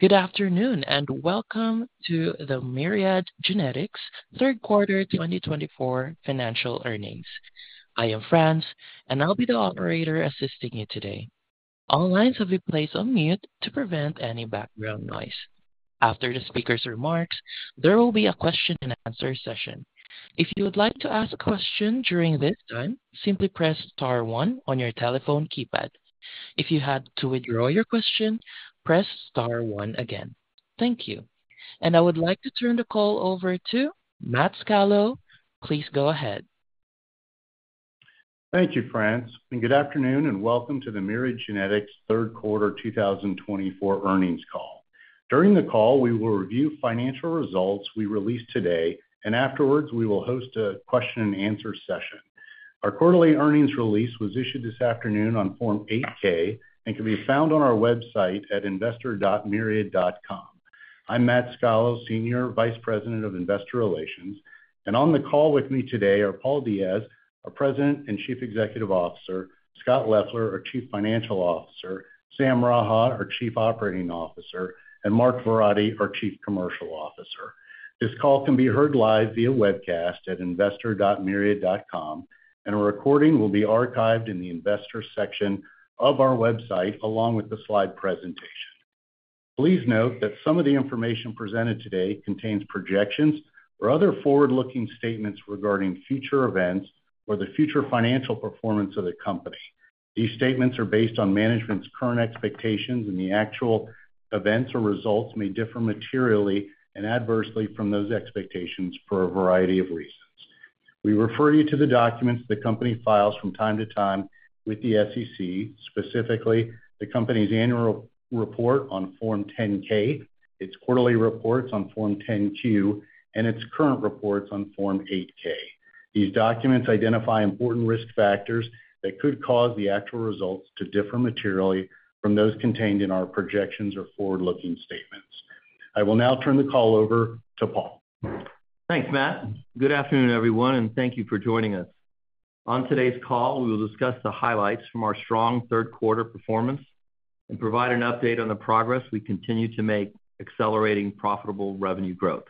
Good afternoon and welcome to the Myriad Genetics Q3 2024 financial earnings. I am France, and I'll be the operator assisting you today. All lines have been placed on mute to prevent any background noise. After the speaker's remarks, there will be a question-and-answer session. If you would like to ask a question during this time, simply press *1 on your telephone keypad. If you had to withdraw your question, press *1 again. Thank you. And I would like to turn the call over to Matt Scalo. Please go ahead. Thank you, France, and good afternoon and welcome to the Myriad Genetics Q3 2024 earnings call. During the call, we will review financial results we released today, and afterwards, we will host a question-and-answer session. Our quarterly earnings release was issued this afternoon on Form 8-K and can be found on our website at investor.myriad.com. I'm Matt Scalo, Senior Vice President of Investor Relations, and on the call with me today are Paul Diaz, our President and Chief Executive Officer, Scott Leffler, our Chief Financial Officer, Sam Raha, our Chief Operating Officer, and Mark Verratti, our Chief Commercial Officer. This call can be heard live via webcast at investor.myriad.com, and a recording will be archived in the Investor section of our website along with the slide presentation. Please note that some of the information presented today contains projections or other forward-looking statements regarding future events or the future financial performance of the company. These statements are based on management's current expectations, and the actual events or results may differ materially and adversely from those expectations for a variety of reasons. We refer you to the documents the company files from time to time with the SEC, specifically the company's annual report on Form 10-K, its quarterly reports on Form 10-Q, and its current reports on Form 8-K. These documents identify important risk factors that could cause the actual results to differ materially from those contained in our projections or forward-looking statements. I will now turn the call over to Paul. Thanks, Matt. Good afternoon, everyone, and thank you for joining us. On today's call, we will discuss the highlights from our strong Q3 performance and provide an update on the progress we continue to make accelerating profitable revenue growth.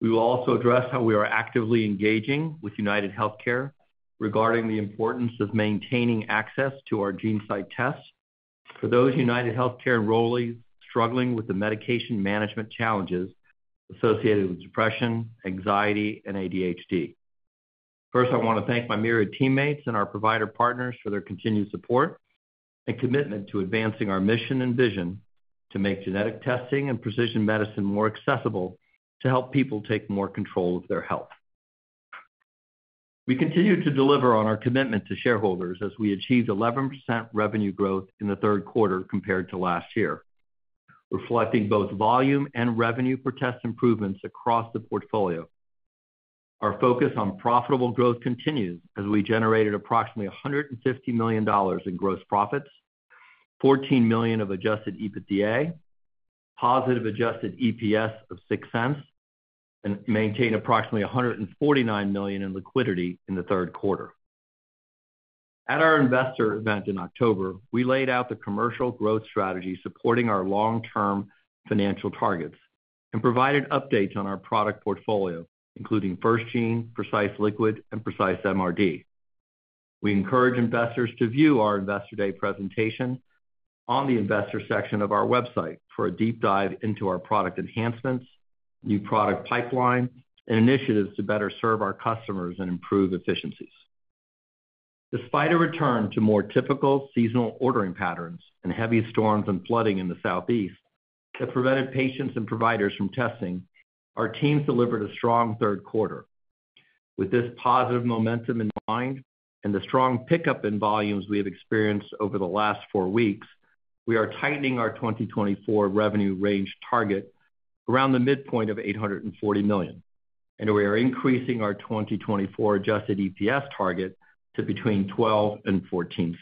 We will also address how we are actively engaging with UnitedHealthcare regarding the importance of maintaining access to our GeneSight tests for those UnitedHealthcare enrollees struggling with the medication management challenges associated with depression, anxiety, and ADHD. First, I want to thank my Myriad teammates and our provider partners for their continued support and commitment to advancing our mission and vision to make genetic testing and precision medicine more accessible to help people take more control of their health. We continue to deliver on our commitment to shareholders as we achieved 11% revenue growth in Q3 compared to last year, reflecting both volume and revenue per test improvements across the portfolio. Our focus on profitable growth continues as we generated approximately $150 million in gross profits, $14 million of adjusted EBITDA, positive adjusted EPS of $0.06, and maintained approximately $149 million in liquidity in Q3. At our investor event in October, we laid out the commercial growth strategy supporting our long-term financial targets and provided updates on our product portfolio, including FirstGene, Precise Liquid, and Precise MRD. We encourage investors to view our Investor Day presentation on the investor section of our website for a deep dive into our product enhancements, new product pipeline, and initiatives to better serve our customers and improve efficiencies. Despite a return to more typical seasonal ordering patterns and heavy storms and flooding in the Southeast that prevented patients and providers from testing, our teams delivered a strong Q3. With this positive momentum in mind and the strong pickup in volumes we have experienced over the last four weeks, we are tightening our 2024 revenue range target around the midpoint of $840 million, and we are increasing our 2024 adjusted EPS target to between $0.12 and $0.14.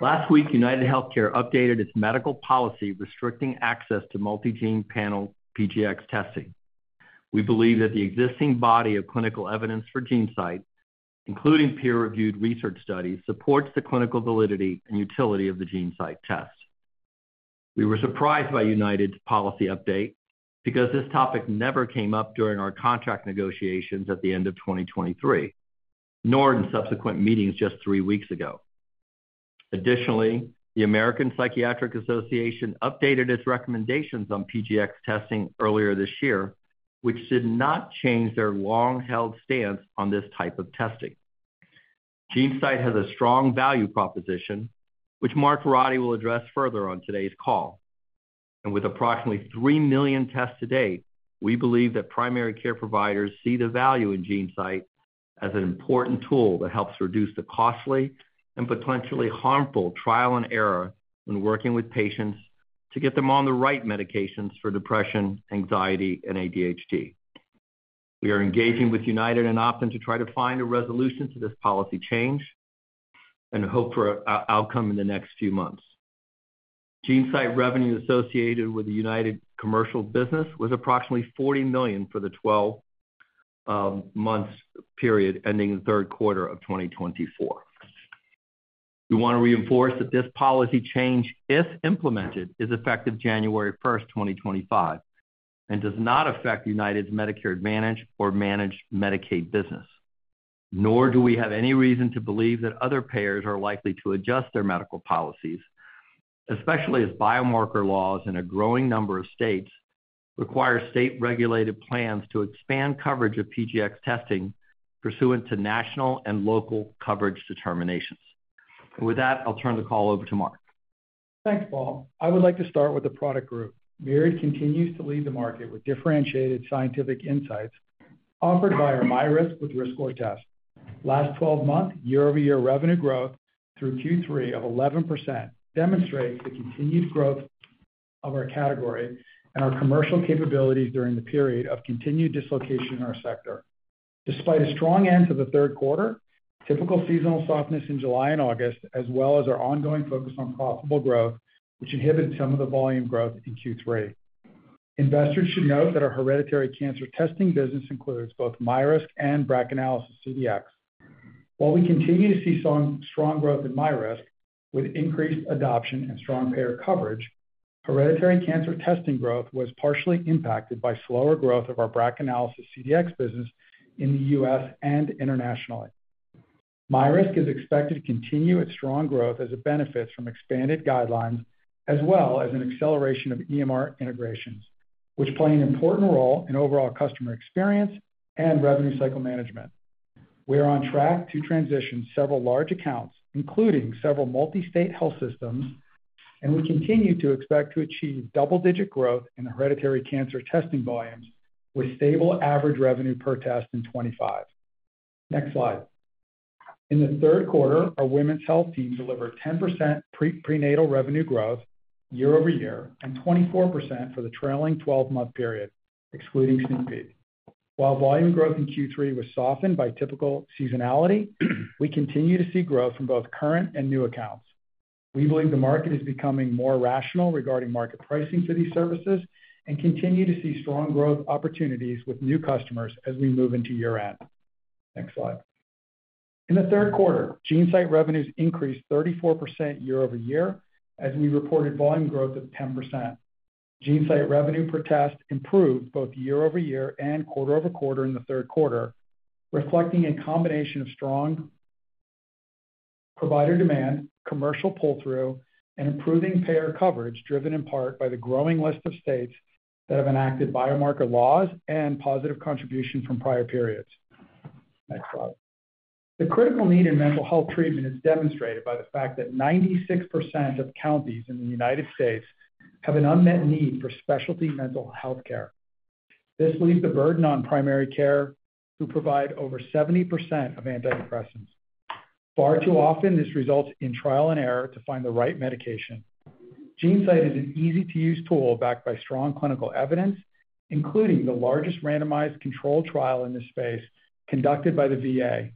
Last week, UnitedHealthcare updated its medical policy restricting access to multi-gene panel PGx testing. We believe that the existing body of clinical evidence for GeneSight, including peer-reviewed research studies, supports the clinical validity and utility of the GeneSight test. We were surprised by United's policy update because this topic never came up during our contract negotiations at the end of 2023, nor in subsequent meetings just three weeks ago. Additionally, the American Psychiatric Association updated its recommendations on PGx testing earlier this year, which did not change their long-held stance on this type of testing. GeneSight has a strong value proposition, which Mark Verratti will address further on today's call, and with approximately 3 million tests to date, we believe that primary care providers see the value in GeneSight as an important tool that helps reduce the costly and potentially harmful trial and error when working with patients to get them on the right medications for depression, anxiety, and ADHD. We are engaging with United and Optum to try to find a resolution to this policy change and hope for an outcome in the next few months. GeneSight revenue associated with the United commercial business was approximately $40 million for the 12-month period ending in Q3 of 2024. We want to reinforce that this policy change, if implemented, is effective January 1, 2025, and does not affect United's Medicare Advantage or Managed Medicaid business. Nor do we have any reason to believe that other payers are likely to adjust their medical policies, especially as biomarker laws in a growing number of states require state-regulated plans to expand coverage of PGx testing pursuant to national and local coverage determinations. And with that, I'll turn the call over to Mark. Thanks, Paul. I would like to start with the product group. Myriad continues to lead the market with differentiated scientific insights offered by our MyRisk with RiskScore test. Last 12 months, year-over-year revenue growth through Q3 of 11% demonstrates the continued growth of our category and our commercial capabilities during the period of continued dislocation in our sector. Despite a strong end to Q3, typical seasonal softness in July and August, as well as our ongoing focus on profitable growth, which inhibited some of the volume growth in Q3. Investors should note that our hereditary cancer testing business includes both MyRisk and BRCAnalysis CDx. While we continue to see strong growth in MyRisk with increased adoption and strong payer coverage, hereditary cancer testing growth was partially impacted by slower growth of our BRACAnalysis CDx business in the U.S. and internationally. MyRisk is expected to continue its strong growth as it benefits from expanded guidelines as well as an acceleration of EMR integrations, which play an important role in overall customer experience and revenue cycle management. We are on track to transition several large accounts, including several multi-state health systems, and we continue to expect to achieve double-digit growth in hereditary cancer testing volumes with stable average revenue per test in 2025. Next slide. In Q3, our women's health team delivered 10% prenatal revenue growth year-over-year and 24% for the trailing 12-month period, excluding SneakPeek. While volume growth in Q3 was softened by typical seasonality, we continue to see growth from both current and new accounts. We believe the market is becoming more rational regarding market pricing for these services and continue to see strong growth opportunities with new customers as we move into year-end. Next slide. In Q3, GeneSight revenues increased 34% year-over-year as we reported volume growth of 10%. GeneSight revenue per test improved both year-over-year and quarter-over-quarter in Q3, reflecting a combination of strong provider demand, commercial pull-through, and improving payer coverage driven in part by the growing list of states that have enacted biomarker laws and positive contribution from prior periods. Next slide. The critical need in mental health treatment is demonstrated by the fact that 96% of counties in the United States have an unmet need for specialty mental health care. This leaves the burden on primary care, who provide over 70% of antidepressants. Far too often, this results in trial and error to find the right medication. GeneSight is an easy-to-use tool backed by strong clinical evidence, including the largest randomized control trial in this space conducted by the VA.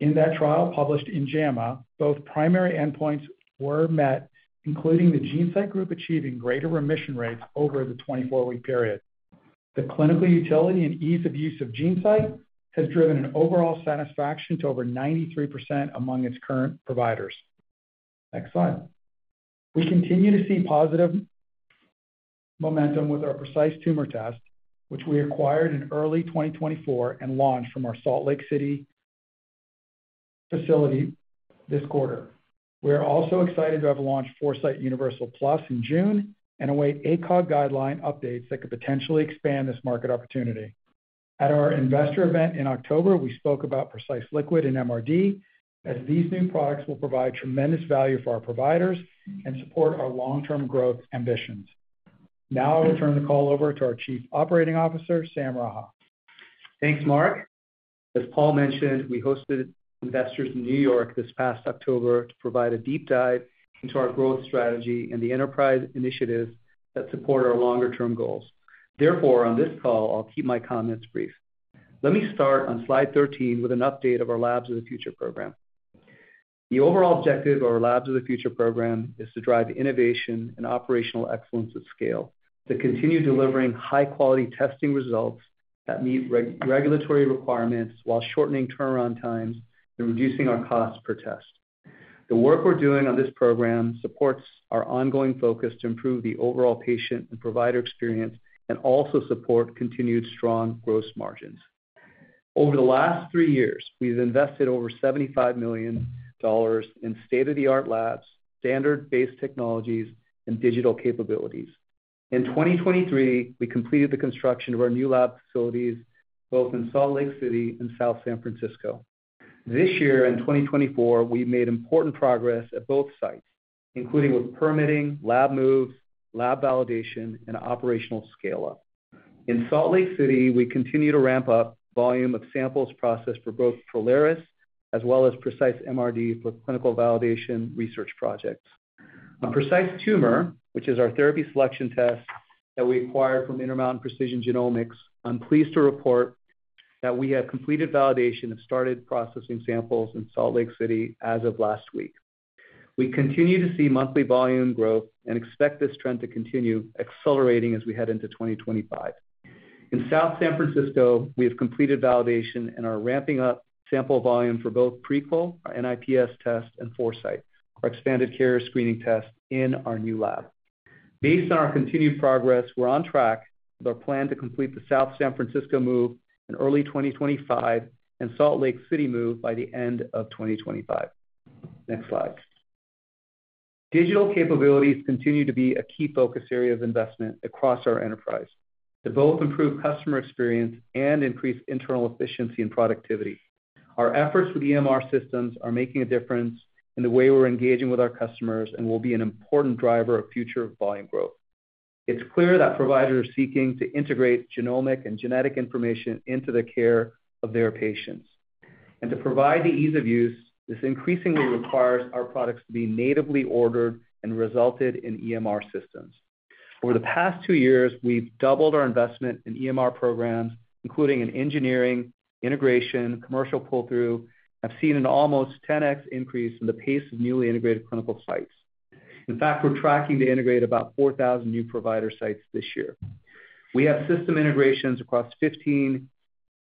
In that trial, published in JAMA, both primary endpoints were met, including the GeneSight group achieving greater remission rates over the 24-week period. The clinical utility and ease of use of GeneSight has driven an overall satisfaction to over 93% among its current providers. Next slide. We continue to see positive momentum with our Precise Tumor test, which we acquired in early 2024 and launched from our Salt Lake City facility this quarter. We are also excited to have launched Foresight Universal Plus in June and await ACOG guideline updates that could potentially expand this market opportunity. At our investor event in October, we spoke about Precise Liquid and MRD as these new products will provide tremendous value for our providers and support our long-term growth ambitions. Now I will turn the call over to our Chief Operating Officer, Sam Raha. Thanks, Mark. As Paul mentioned, we hosted investors in New York this past October to provide a deep dive into our growth strategy and the enterprise initiatives that support our longer-term goals. Therefore, on this call, I'll keep my comments brief. Let me start on slide 13 with an update of our Labs of the Future program. The overall objective of our Labs of the Future program is to drive innovation and operational excellence at scale, to continue delivering high-quality testing results that meet regulatory requirements while shortening turnaround times and reducing our cost per test. The work we're doing on this program supports our ongoing focus to improve the overall patient and provider experience and also support continued strong gross margins. Over the last three years, we've invested over $75 million in state-of-the-art labs, standard-based technologies, and digital capabilities. In 2023, we completed the construction of our new lab facilities, both in Salt Lake City and South San Francisco. This year, in 2024, we've made important progress at both sites, including with permitting, lab moves, lab validation, and operational scale-up. In Salt Lake City, we continue to ramp up the volume of samples processed for both Prolaris as well as Precise MRD for clinical validation research projects. On Precise Tumor, which is our therapy selection test that we acquired from Intermountain Precision Genomics, I'm pleased to report that we have completed validation and started processing samples in Salt Lake City as of last week. We continue to see monthly volume growth and expect this trend to continue accelerating as we head into 2025. In South San Francisco, we have completed validation and are ramping up sample volume for both Prequel, our NIPS test, and Foresight, our expanded carrier screening test in our new lab. Based on our continued progress, we're on track with our plan to complete the South San Francisco move in early 2025 and Salt Lake City move by the end of 2025. Next slide. Digital capabilities continue to be a key focus area of investment across our enterprise to both improve customer experience and increase internal efficiency and productivity. Our efforts with EMR systems are making a difference in the way we're engaging with our customers and will be an important driver of future volume growth. It's clear that providers are seeking to integrate genomic and genetic information into the care of their patients. To provide the ease of use, this increasingly requires our products to be natively ordered and resulted in EMR systems. Over the past two years, we've doubled our investment in EMR programs, including in engineering, integration, commercial pull-through, and have seen an almost 10x increase in the pace of newly integrated clinical sites. In fact, we're tracking to integrate about 4,000 new provider sites this year. We have system integrations across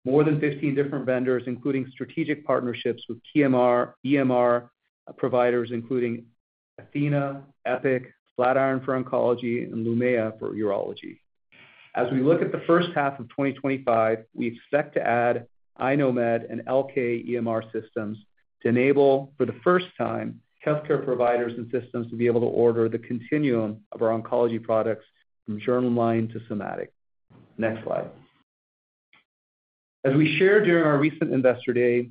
more than 15 different vendors, including strategic partnerships with major EMR providers, including Athena, Epic, Flatiron for oncology, and Lumea for urology. As we look at the first half of 2025, we expect to add iKnowMed and Elekta EMR systems to enable, for the first time, healthcare providers and systems to be able to order the continuum of our oncology products from germline to somatic. Next slide. As we shared during our recent investor day,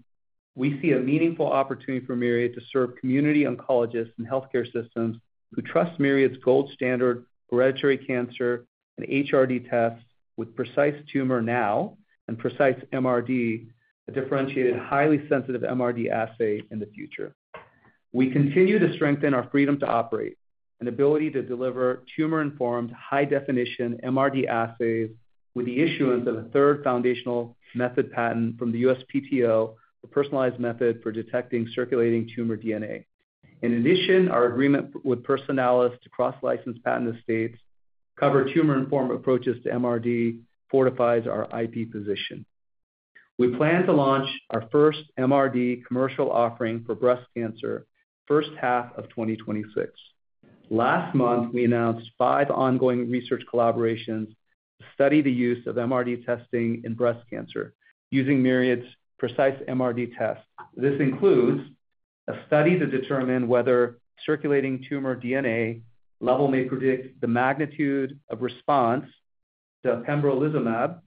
we see a meaningful opportunity for Myriad to serve community oncologists and healthcare systems who trust Myriad's gold standard hereditary cancer and HRD tests with Precise Tumor now and Precise MRD, a differentiated highly sensitive MRD assay in the future. We continue to strengthen our freedom to operate and ability to deliver tumor-informed high-definition MRD assays with the issuance of a third foundational method patent from the USPTO for personalized method for detecting circulating tumor DNA. In addition, our agreement with Personalis to cross-license patent estates cover tumor-informed approaches to MRD fortifies our IP position. We plan to launch our first MRD commercial offering for breast cancer in the first half of 2026. Last month, we announced five ongoing research collaborations to study the use of MRD testing in breast cancer using Myriad's Precise MRD tests. This includes a study to determine whether circulating tumor DNA level may predict the magnitude of response to pembrolizumab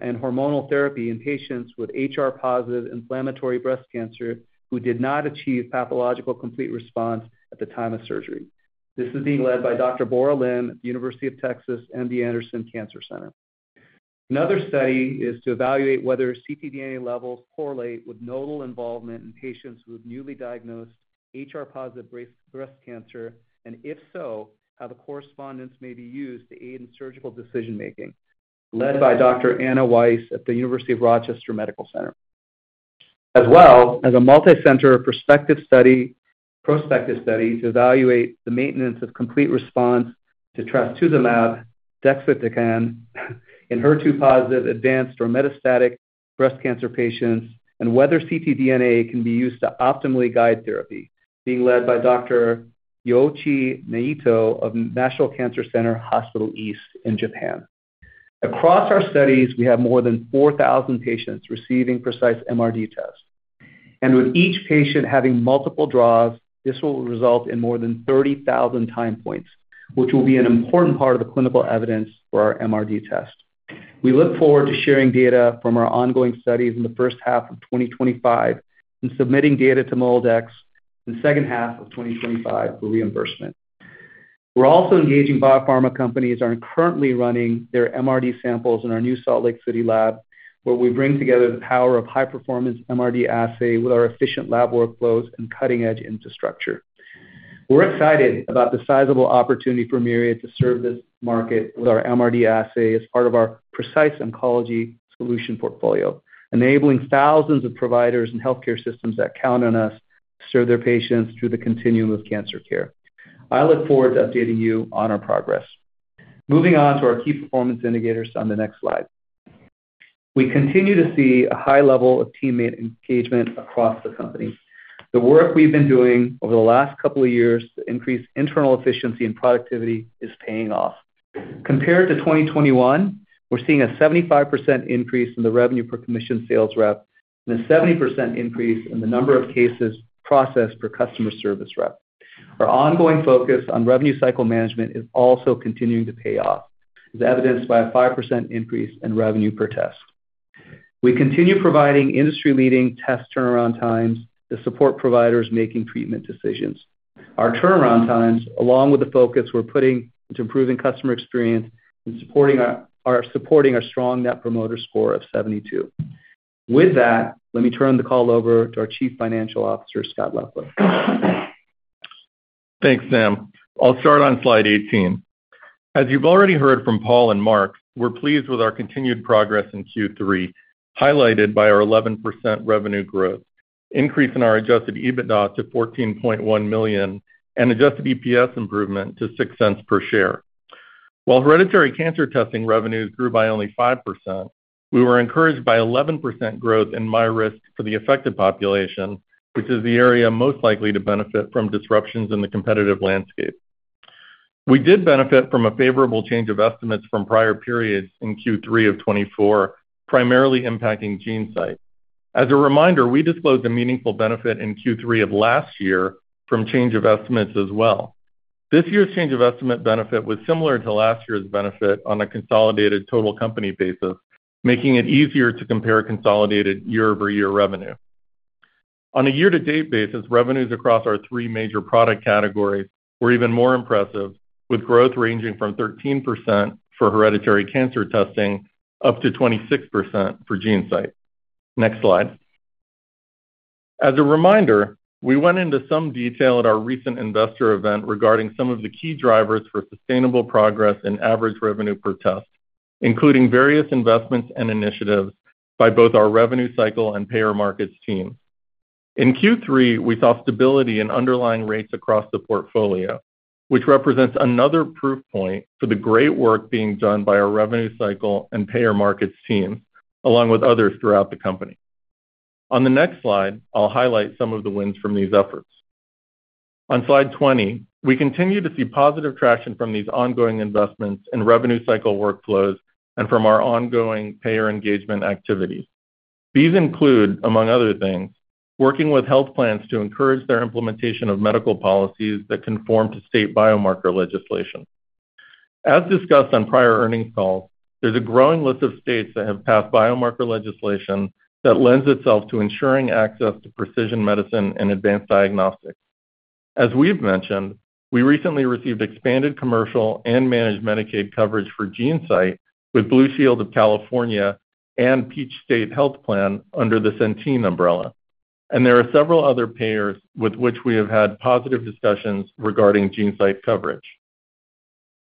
and hormonal therapy in patients with HR-positive inflammatory breast cancer who did not achieve pathological complete response at the time of surgery. This is being led by Dr. Bora Lim at the University of Texas MD Anderson Cancer Center. Another study is to evaluate whether ctDNA levels correlate with nodal involvement in patients who have newly diagnosed HR-positive breast cancer and, if so, how the correspondence may be used to aid in surgical decision-making, led by Dr. Anna Weiss at the University of Rochester Medical Center. As well as a multicenter prospective study to evaluate the maintenance of complete response to trastuzumab, deruxtecan, in HER2-positive, advanced, or metastatic breast cancer patients and whether ctDNA can be used to optimally guide therapy, being led by Dr. Yoichi Naito of National Cancer Center Hospital East in Japan. Across our studies, we have more than 4,000 patients receiving Precise MRD tests, and with each patient having multiple draws, this will result in more than 30,000 time points, which will be an important part of the clinical evidence for our MRD test. We look forward to sharing data from our ongoing studies in the first half of 2025 and submitting data to MolDX in the second half of 2025 for reimbursement. We're also engaging biopharma companies that are currently running their MRD samples in our new Salt Lake City lab, where we bring together the power of high-performance MRD assay with our efficient lab workflows and cutting-edge infrastructure. We're excited about the sizable opportunity for Myriad to serve this market with our MRD assay as part of our Precise Oncology solution portfolio, enabling thousands of providers and healthcare systems that count on us to serve their patients through the continuum of cancer care. I look forward to updating you on our progress. Moving on to our key performance indicators on the next slide. We continue to see a high level of teammate engagement across the company. The work we've been doing over the last couple of years to increase internal efficiency and productivity is paying off. Compared to 2021, we're seeing a 75% increase in the revenue per commission sales rep and a 70% increase in the number of cases processed per customer service rep. Our ongoing focus on revenue cycle management is also continuing to pay off, as evidenced by a 5% increase in revenue per test. We continue providing industry-leading test turnaround times to support providers making treatment decisions. Our turnaround times, along with the focus we're putting into improving customer experience and supporting our strong net promoter score of 72. With that, let me turn the call over to our Chief Financial Officer, Scott Leffler. Thanks, Sam. I'll start on slide 18. As you've already heard from Paul and Mark, we're pleased with our continued progress in Q3, highlighted by our 11% revenue growth, increase in our adjusted EBITDA to $14.1 million, and adjusted EPS improvement to $0.06 per share. While hereditary cancer testing revenues grew by only 5%, we were encouraged by 11% growth in MyRisk for the affected population, which is the area most likely to benefit from disruptions in the competitive landscape. We did benefit from a favorable change of estimates from prior periods in Q3 of 2024, primarily impacting GeneSight. As a reminder, we disclosed a meaningful benefit in Q3 of last year from change of estimates as well. This year's change of estimate benefit was similar to last year's benefit on a consolidated total company basis, making it easier to compare consolidated year-over-year revenue. On a year-to-date basis, revenues across our three major product categories were even more impressive, with growth ranging from 13% for hereditary cancer testing up to 26% for GeneSight. Next slide. As a reminder, we went into some detail at our recent investor event regarding some of the key drivers for sustainable progress in average revenue per test, including various investments and initiatives by both our revenue cycle and payer markets teams. In Q3, we saw stability in underlying rates across the portfolio, which represents another proof point for the great work being done by our revenue cycle and payer markets teams, along with others throughout the company. On the next slide, I'll highlight some of the wins from these efforts. On slide 20, we continue to see positive traction from these ongoing investments in revenue cycle workflows and from our ongoing payer engagement activities. These include, among other things, working with health plans to encourage their implementation of medical policies that conform to state biomarker legislation. As discussed on prior earnings calls, there's a growing list of states that have passed biomarker legislation that lends itself to ensuring access to precision medicine and advanced diagnostics. As we've mentioned, we recently received expanded commercial and managed Medicaid coverage for GeneSight with Blue Shield of California and Peach State Health Plan under the Centene umbrella, and there are several other payers with which we have had positive discussions regarding GeneSight coverage.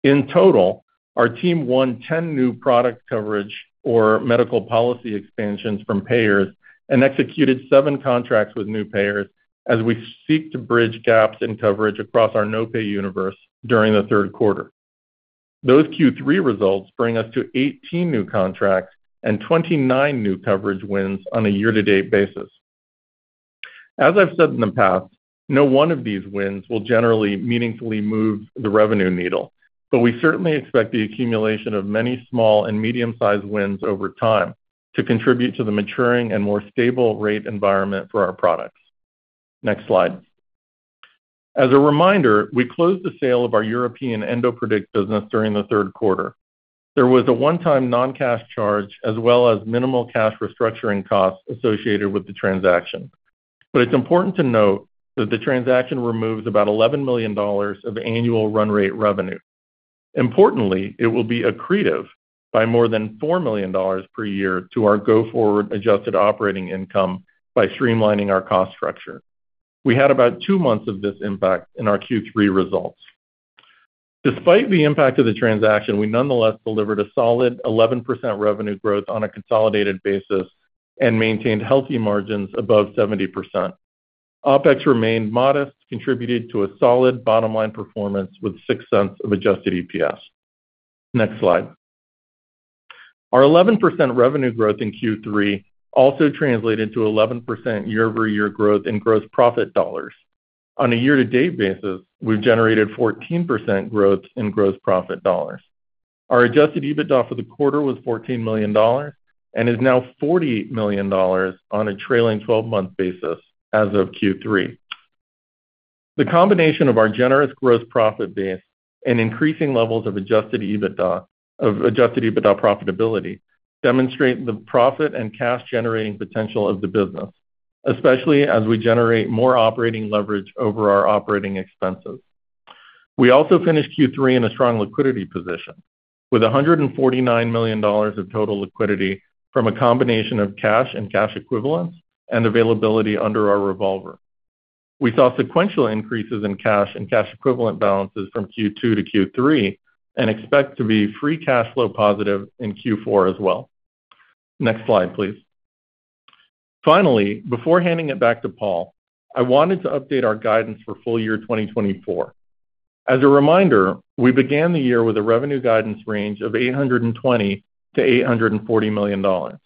In total, our team won 10 new product coverage or medical policy expansions from payers and executed seven contracts with new payers as we seek to bridge gaps in coverage across our no-pay universe during the third quarter. Those Q3 results bring us to 18 new contracts and 29 new coverage wins on a year-to-date basis. As I've said in the past, no one of these wins will generally meaningfully move the revenue needle, but we certainly expect the accumulation of many small and medium-sized wins over time to contribute to the maturing and more stable rate environment for our products. Next slide. As a reminder, we closed the sale of our European EndoPredict business during the third quarter. There was a one-time non-cash charge as well as minimal cash restructuring costs associated with the transaction. But it's important to note that the transaction removes about $11 million of annual run rate revenue. Importantly, it will be accretive by more than $4 million per year to our go-forward adjusted operating income by streamlining our cost structure. We had about two months of this impact in our Q3 results. Despite the impact of the transaction, we nonetheless delivered a solid 11% revenue growth on a consolidated basis and maintained healthy margins above 70%. OpEx remained modest, contributed to a solid bottom-line performance with $0.06 of adjusted EPS. Next slide. Our 11% revenue growth in Q3 also translated to 11% year-over-year growth in gross profit dollars. On a year-to-date basis, we've generated 14% growth in gross profit dollars. Our adjusted EBITDA for the quarter was $14 million and is now $48 million on a trailing 12-month basis as of Q3. The combination of our generous gross profit base and increasing levels of adjusted EBITDA profitability demonstrate the profit and cash-generating potential of the business, especially as we generate more operating leverage over our operating expenses. We also finished Q3 in a strong liquidity position with $149 million of total liquidity from a combination of cash and cash equivalents and availability under our revolver. We saw sequential increases in cash and cash equivalent balances from Q2–Q3 and expect to be free cash flow positive in Q4 as well. Next slide, please. Finally, before handing it back to Paul, I wanted to update our guidance for full year 2024. As a reminder, we began the year with a revenue guidance range of $820–$840 million. On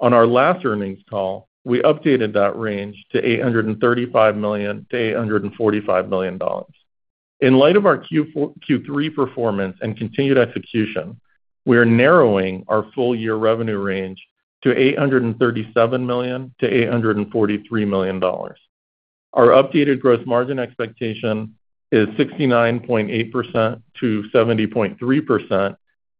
our last earnings call, we updated that range to $835–$845 million. In light of our Q3 performance and continued execution, we are narrowing our full year revenue range to $837–$843 million. Our updated gross margin expectation is 69.8% to 70.3%,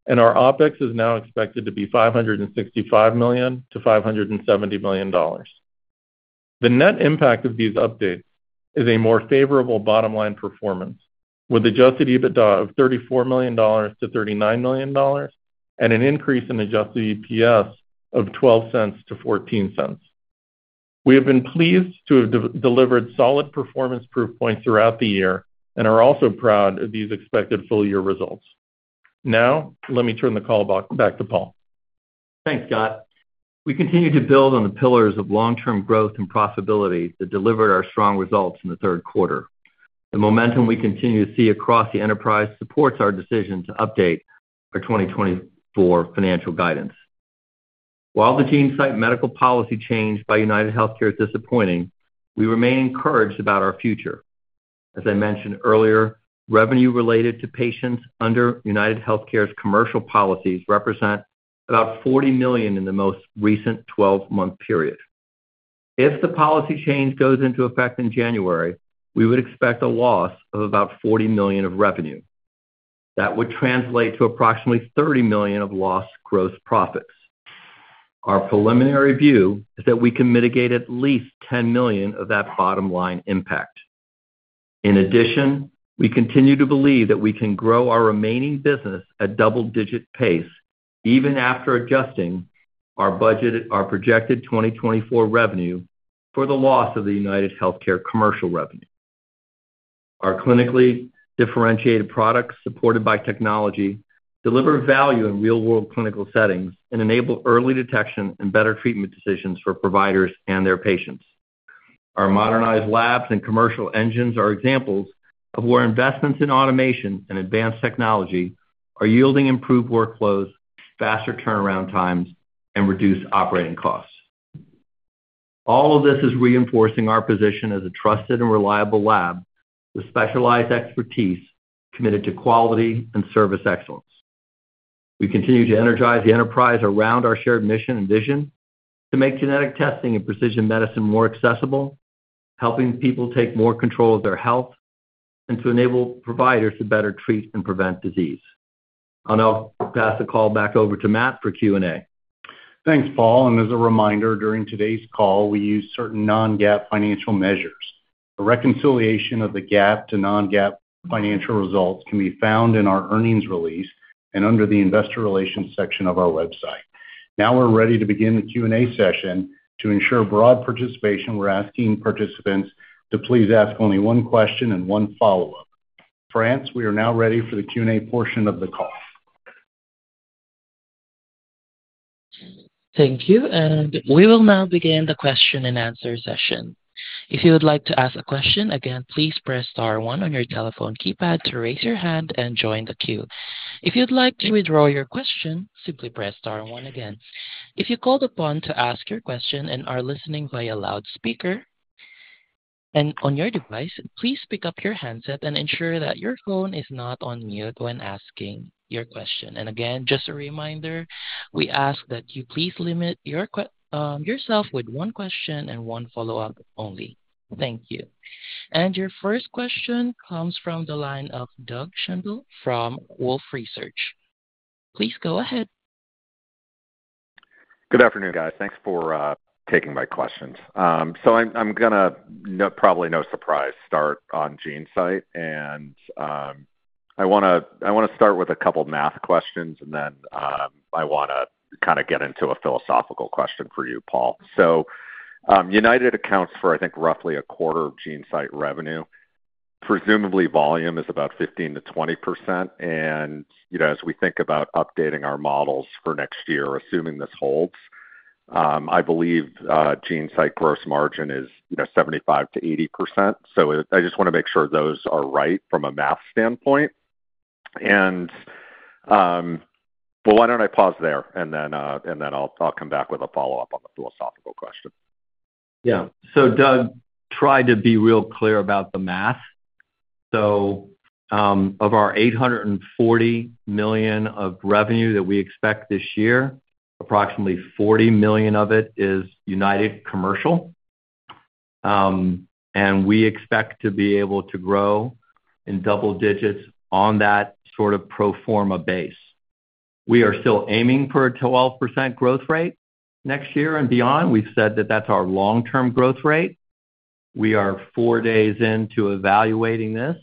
and our OpEx is now expected to be $565 million to $570 million. The net impact of these updates is a more favorable bottom-line performance with adjusted EBITDA of $34 million to $39 million and an increase in adjusted EPS of $0.12 to $0.14. We have been pleased to have delivered solid performance proof points throughout the year and are also proud of these expected full year results. Now, let me turn the call back to Paul. Thanks, Scott. We continue to build on the pillars of long-term growth and profitability that delivered our strong results in the third quarter. The momentum we continue to see across the enterprise supports our decision to update our 2024 financial guidance. While the GeneSight medical policy change by UnitedHealthcare is disappointing, we remain encouraged about our future. As I mentioned earlier, revenue related to patients under UnitedHealthcare's commercial policies represent about $40 million in the most recent 12-month period. If the policy change goes into effect in January, we would expect a loss of about $40 million of revenue. That would translate to approximately $30 million of lost gross profits. Our preliminary view is that we can mitigate at least $10 million of that bottom-line impact. In addition, we continue to believe that we can grow our remaining business at double-digit pace, even after adjusting our projected 2024 revenue for the loss of the UnitedHealthcare commercial revenue. Our clinically differentiated products supported by technology deliver value in real-world clinical settings and enable early detection and better treatment decisions for providers and their patients. Our modernized labs and commercial engines are examples of where investments in automation and advanced technology are yielding improved workflows, faster turnaround times, and reduced operating costs. All of this is reinforcing our position as a trusted and reliable lab with specialized expertise committed to quality and service excellence. We continue to energize the enterprise around our shared mission and vision to make genetic testing and precision medicine more accessible, helping people take more control of their health, and to enable providers to better treat and prevent disease. I'll now pass the call back over to Matt for Q&A. Thanks, Paul. And as a reminder, during today's call, we used certain non-GAAP financial measures. A reconciliation of the GAAP to non-GAAP financial results can be found in our earnings release and under the investor relations section of our website. Now we're ready to begin the Q&A session. To ensure broad participation, we're asking participants to please ask only one question and one follow-up. France, we are now ready for the Q&A portion of the call. Thank you. And we will now begin the question and answer session. If you would like to ask a question, again, please press star one on your telephone keypad to raise your hand and join the queue. If you'd like to withdraw your question, simply press star one again. If you called upon to ask your question and are listening via loudspeaker and on your device, please pick up your handset and ensure that your phone is not on mute when asking your question. And again, just a reminder, we ask that you please limit yourself with one question and one follow-up only. Thank you. And your first question comes from the line of Doug Schenkel from Wolfe Research. Please go ahead. Good afternoon, guys. Thanks for taking my questions. So I'm going to, probably no surprise, start on GeneSight. And I want to start with a couple of math questions, and then I want to kind of get into a philosophical question for you, Paul. So United accounts for, I think, roughly a quarter of GeneSight revenue. Presumably, volume is about 15%–20%. And as we think about updating our models for next year, assuming this holds, I believe GeneSight gross margin is 75%–80%. So I just want to make sure those are right from a math standpoint. And well, why don't I pause there, and then I'll come back with a follow-up on the philosophical question. Yeah. So Doug, try to be real clear about the math. So of our $840 million of revenue that we expect this year, approximately $40 million of it is United Commercial. And we expect to be able to grow in double digits on that sort of pro forma base. We are still aiming for a 12% growth rate next year and beyond. We've said that that's our long-term growth rate. We are four days into evaluating this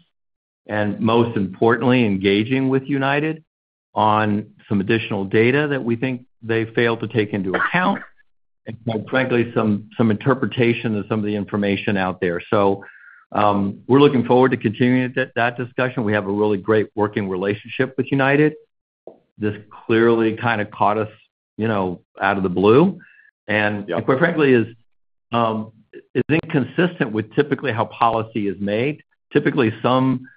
and, most importantly, engaging with United on some additional data that we think they failed to take into account and, frankly, some interpretation of some of the information out there. So we're looking forward to continuing that discussion. We have a really great working relationship with United. This clearly kind of caught us out of the blue. And quite frankly, it's inconsistent with typically how policy is made. Typically, some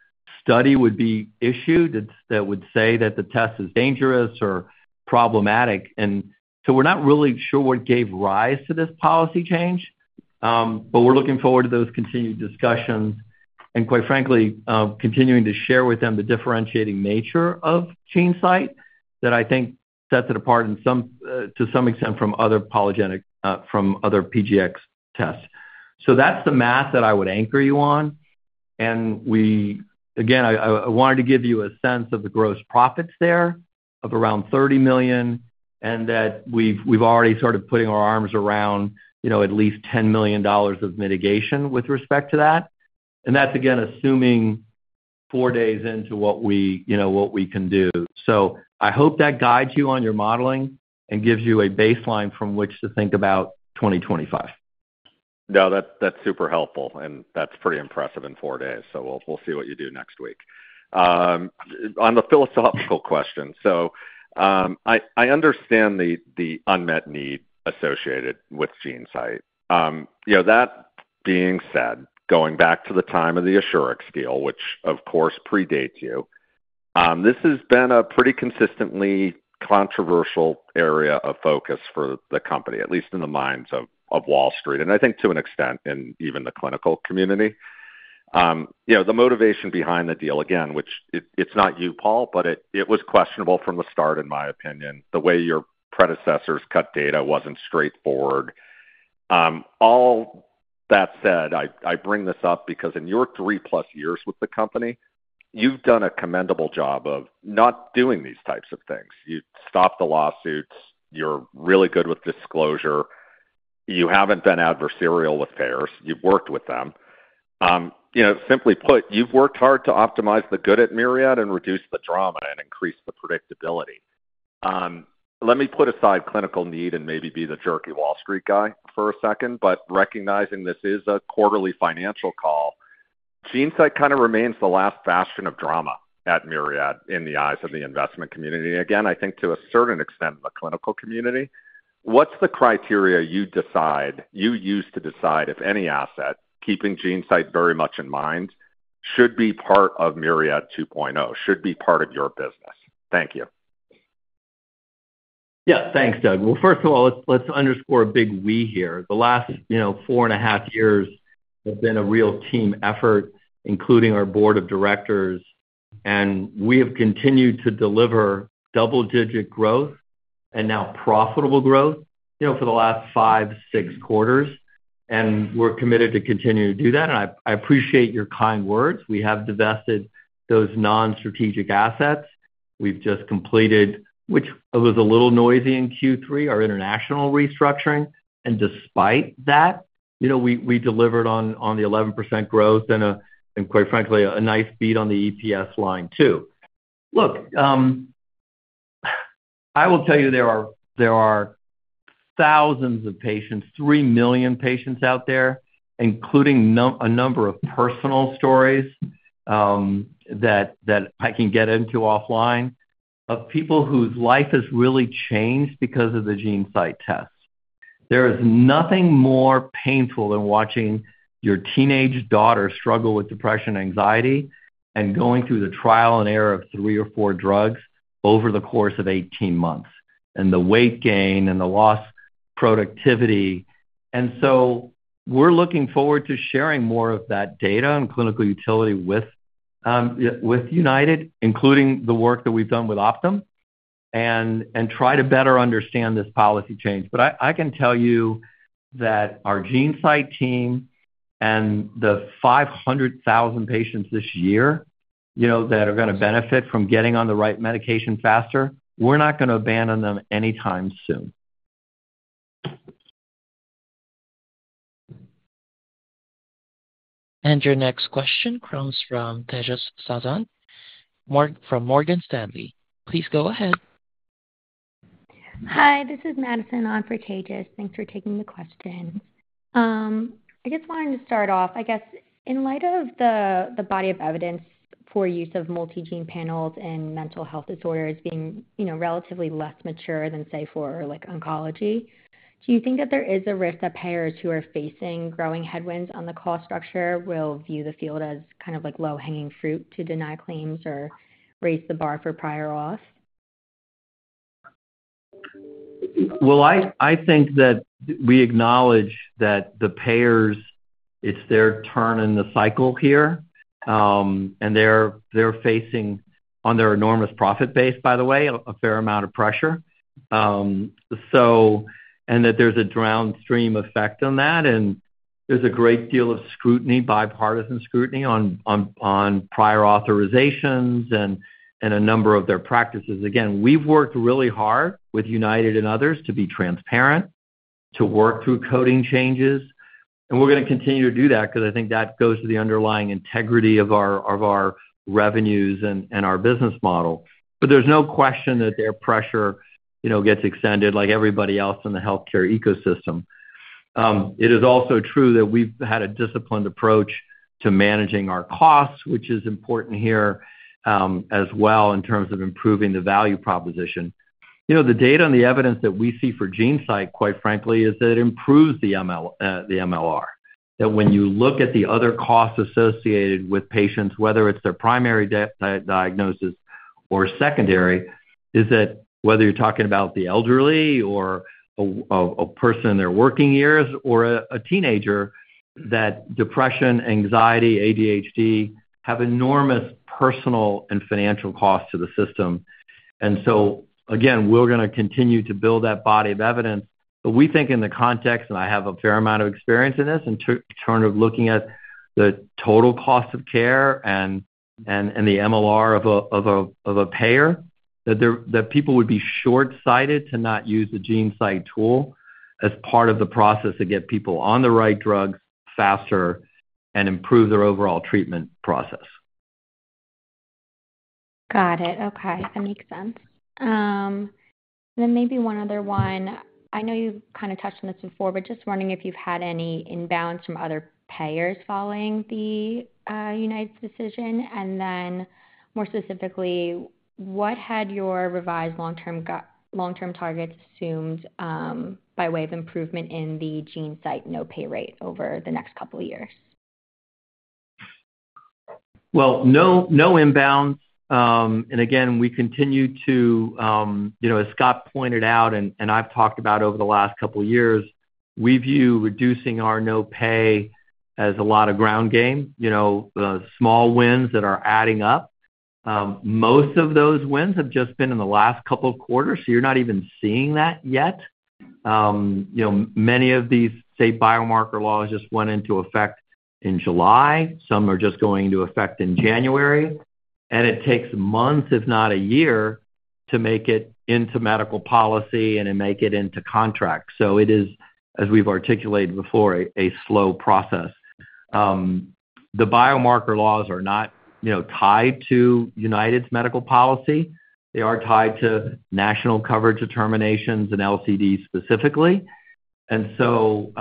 study would be issued that would say that the test is dangerous or problematic, and so we're not really sure what gave rise to this policy change, but we're looking forward to those continued discussions and, quite frankly, continuing to share with them the differentiating nature of GeneSight that I think sets it apart to some extent from other PGx tests, so that's the math that I would anchor you on, and, again, I wanted to give you a sense of the gross profits there of around $30 million and that we've already sort of putting our arms around at least $10 million of mitigation with respect to that, and that's, again, assuming four days into what we can do, so I hope that guides you on your modeling and gives you a baseline from which to think about 2025. No, that's super helpful. And that's pretty impressive in four days. So we'll see what you do next week. On the philosophical question, so I understand the unmet need associated with GeneSight. That being said, going back to the time of the Assurex deal, which, of course, predates you, this has been a pretty consistently controversial area of focus for the company, at least in the minds of Wall Street, and I think to an extent in even the clinical community. The motivation behind the deal, again, which it's not you, Paul, but it was questionable from the start, in my opinion. The way your predecessors cut data wasn't straightforward. All that said, I bring this up because in your three-plus years with the company, you've done a commendable job of not doing these types of things. You stopped the lawsuits. You're really good with disclosure. You haven't been adversarial with payers. You've worked with them. Simply put, you've worked hard to optimize the good at Myriad and reduce the drama and increase the predictability. Let me put aside clinical need and maybe be the jerky Wall Street guy for a second. But recognizing this is a quarterly financial call, GeneSight kind of remains the last fashion of drama at Myriad in the eyes of the investment community. And again, I think to a certain extent in the clinical community, what's the criteria you use to decide if any asset, keeping GeneSight very much in mind, should be part of Myriad 2.0, should be part of your business? Thank you. Yeah. Thanks, Doug. Well, first of all, let's underscore a big we here. The last four and a half years have been a real team effort, including our board of directors. And we have continued to deliver double-digit growth and now profitable growth for the last five, six quarters. And we're committed to continue to do that. And I appreciate your kind words. We have divested those non-strategic assets. We've just completed, which was a little noisy in Q3, our international restructuring. And despite that, we delivered on the 11% growth and, quite frankly, a nice beat on the EPS line too. Look, I will tell you there are thousands of patients, 3 million patients out there, including a number of personal stories that I can get into offline of people whose life has really changed because of the GeneSight test. There is nothing more painful than watching your teenage daughter struggle with depression and anxiety and going through the trial and error of three or four drugs over the course of 18 months and the weight gain and the lost productivity. And so we're looking forward to sharing more of that data and clinical utility with United, including the work that we've done with Optum, and try to better understand this policy change. But I can tell you that our GeneSight team and the 500,000 patients this year that are going to benefit from getting on the right medication faster, we're not going to abandon them anytime soon. And your next question comes from Tejas Savant, from Morgan Stanley. Please go ahead. Hi, this is Madison on for Tejas. Thanks for taking the question. I just wanted to start off, I guess, in light of the body of evidence for use of multi-gene panels in mental health disorders being relatively less mature than, say, for oncology, do you think that there is a risk that payers who are facing growing headwinds on the cost structure will view the field as kind of low-hanging fruit to deny claims or raise the bar for prior auth? I think that we acknowledge that the payers, it's their turn in the cycle here. And they're facing, on their enormous profit base, by the way, a fair amount of pressure. And that there's a downstream effect on that. And there's a great deal of scrutiny, bipartisan scrutiny on prior authorizations and a number of their practices. Again, we've worked really hard with United and others to be transparent, to work through coding changes. And we're going to continue to do that because I think that goes to the underlying integrity of our revenues and our business model. But there's no question that their pressure gets extended like everybody else in the healthcare ecosystem. It is also true that we've had a disciplined approach to managing our costs, which is important here as well in terms of improving the value proposition. The data and the evidence that we see for GeneSight, quite frankly, is that it improves the MLR, that when you look at the other costs associated with patients, whether it's their primary diagnosis or secondary, is that whether you're talking about the elderly or a person in their working years or a teenager, that depression, anxiety, ADHD have enormous personal and financial costs to the system, and so, again, we're going to continue to build that body of evidence, but we think in the context, and I have a fair amount of experience in this, in terms of looking at the total cost of care and the MLR of a payer, that people would be shortsighted to not use the GeneSight tool as part of the process to get people on the right drugs faster and improve their overall treatment process. Got it. Okay. That makes sense. And then maybe one other one. I know you kind of touched on this before, but just wondering if you've had any inbounds from other payers following the United's decision. And then more specifically, what had your revised long-term targets assumed by way of improvement in the GeneSight no-pay rate over the next couple of years? No inbounds. Again, we continue to, as Scott pointed out and I've talked about over the last couple of years, we view reducing our no-pay as a lot of ground game, small wins that are adding up. Most of those wins have just been in the last couple of quarters, so you're not even seeing that yet. Many of these, say, biomarker laws just went into effect in July. Some are just going into effect in January. It takes months, if not a year, to make it into medical policy and to make it into contracts. It is, as we've articulated before, a slow process. The biomarker laws are not tied to United's medical policy. They are tied to national coverage determinations and LCDs specifically. And so,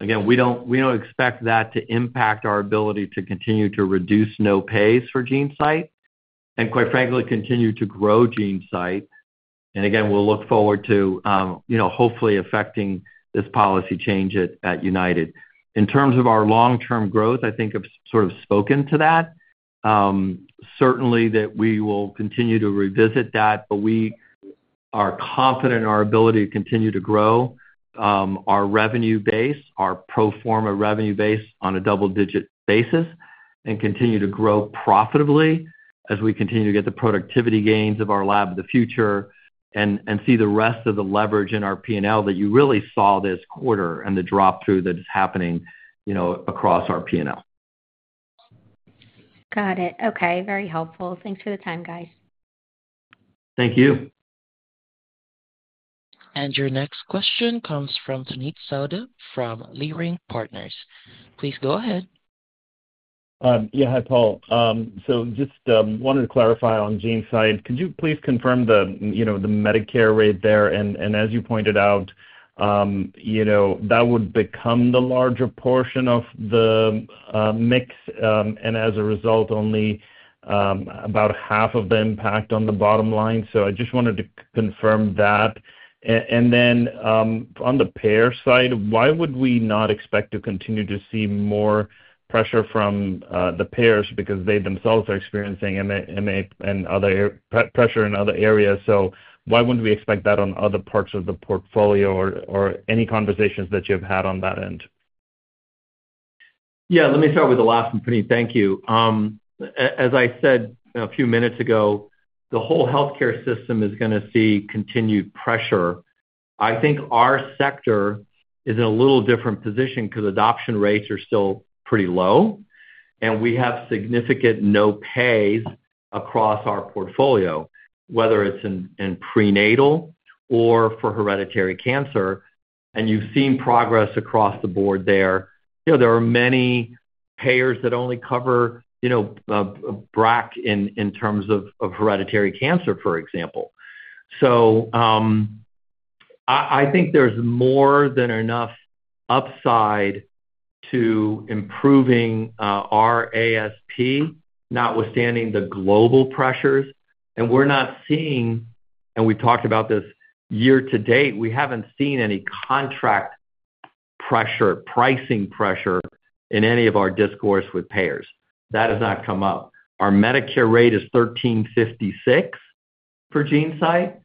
again, we don't expect that to impact our ability to continue to reduce no-pays for GeneSight and, quite frankly, continue to grow GeneSight. And again, we'll look forward to hopefully affecting this policy change at United. In terms of our long-term growth, I think I've sort of spoken to that. Certainly, that we will continue to revisit that, but we are confident in our ability to continue to grow our revenue base, our pro forma revenue base on a double-digit basis, and continue to grow profitably as we continue to get the productivity gains of our lab of the future and see the rest of the leverage in our P&L that you really saw this quarter and the drop-through that is happening across our P&L. Got it. Okay. Very helpful. Thanks for the time, guys. Thank you. And your next question comes from Puneet Souda from Leerink Partners. Please go ahead. Yeah. Hi, Paul. So just wanted to clarify on GeneSight. Could you please confirm the Medicare rate there? And as you pointed out, that would become the larger portion of the mix. And as a result, only about half of the impact on the bottom line. So I just wanted to confirm that. And then on the payer side, why would we not expect to continue to see more pressure from the payers because they themselves are experiencing pressure in other areas? So why wouldn't we expect that on other parts of the portfolio or any conversations that you have had on that end? Yeah. Let me start with the last one. Tanit, thank you. As I said a few minutes ago, the whole healthcare system is going to see continued pressure. I think our sector is in a little different position because adoption rates are still pretty low. And we have significant no-pays across our portfolio, whether it's in prenatal or for hereditary cancer. And you've seen progress across the board there. There are many payers that only cover BRCA in terms of hereditary cancer, for example. So I think there's more than enough upside to improving our ASP, notwithstanding the global pressures. And we're not seeing, and we've talked about this year to date, we haven't seen any contract pressure, pricing pressure in any of our discussions with payers. That has not come up. Our Medicare rate is $1,356 for GeneSight.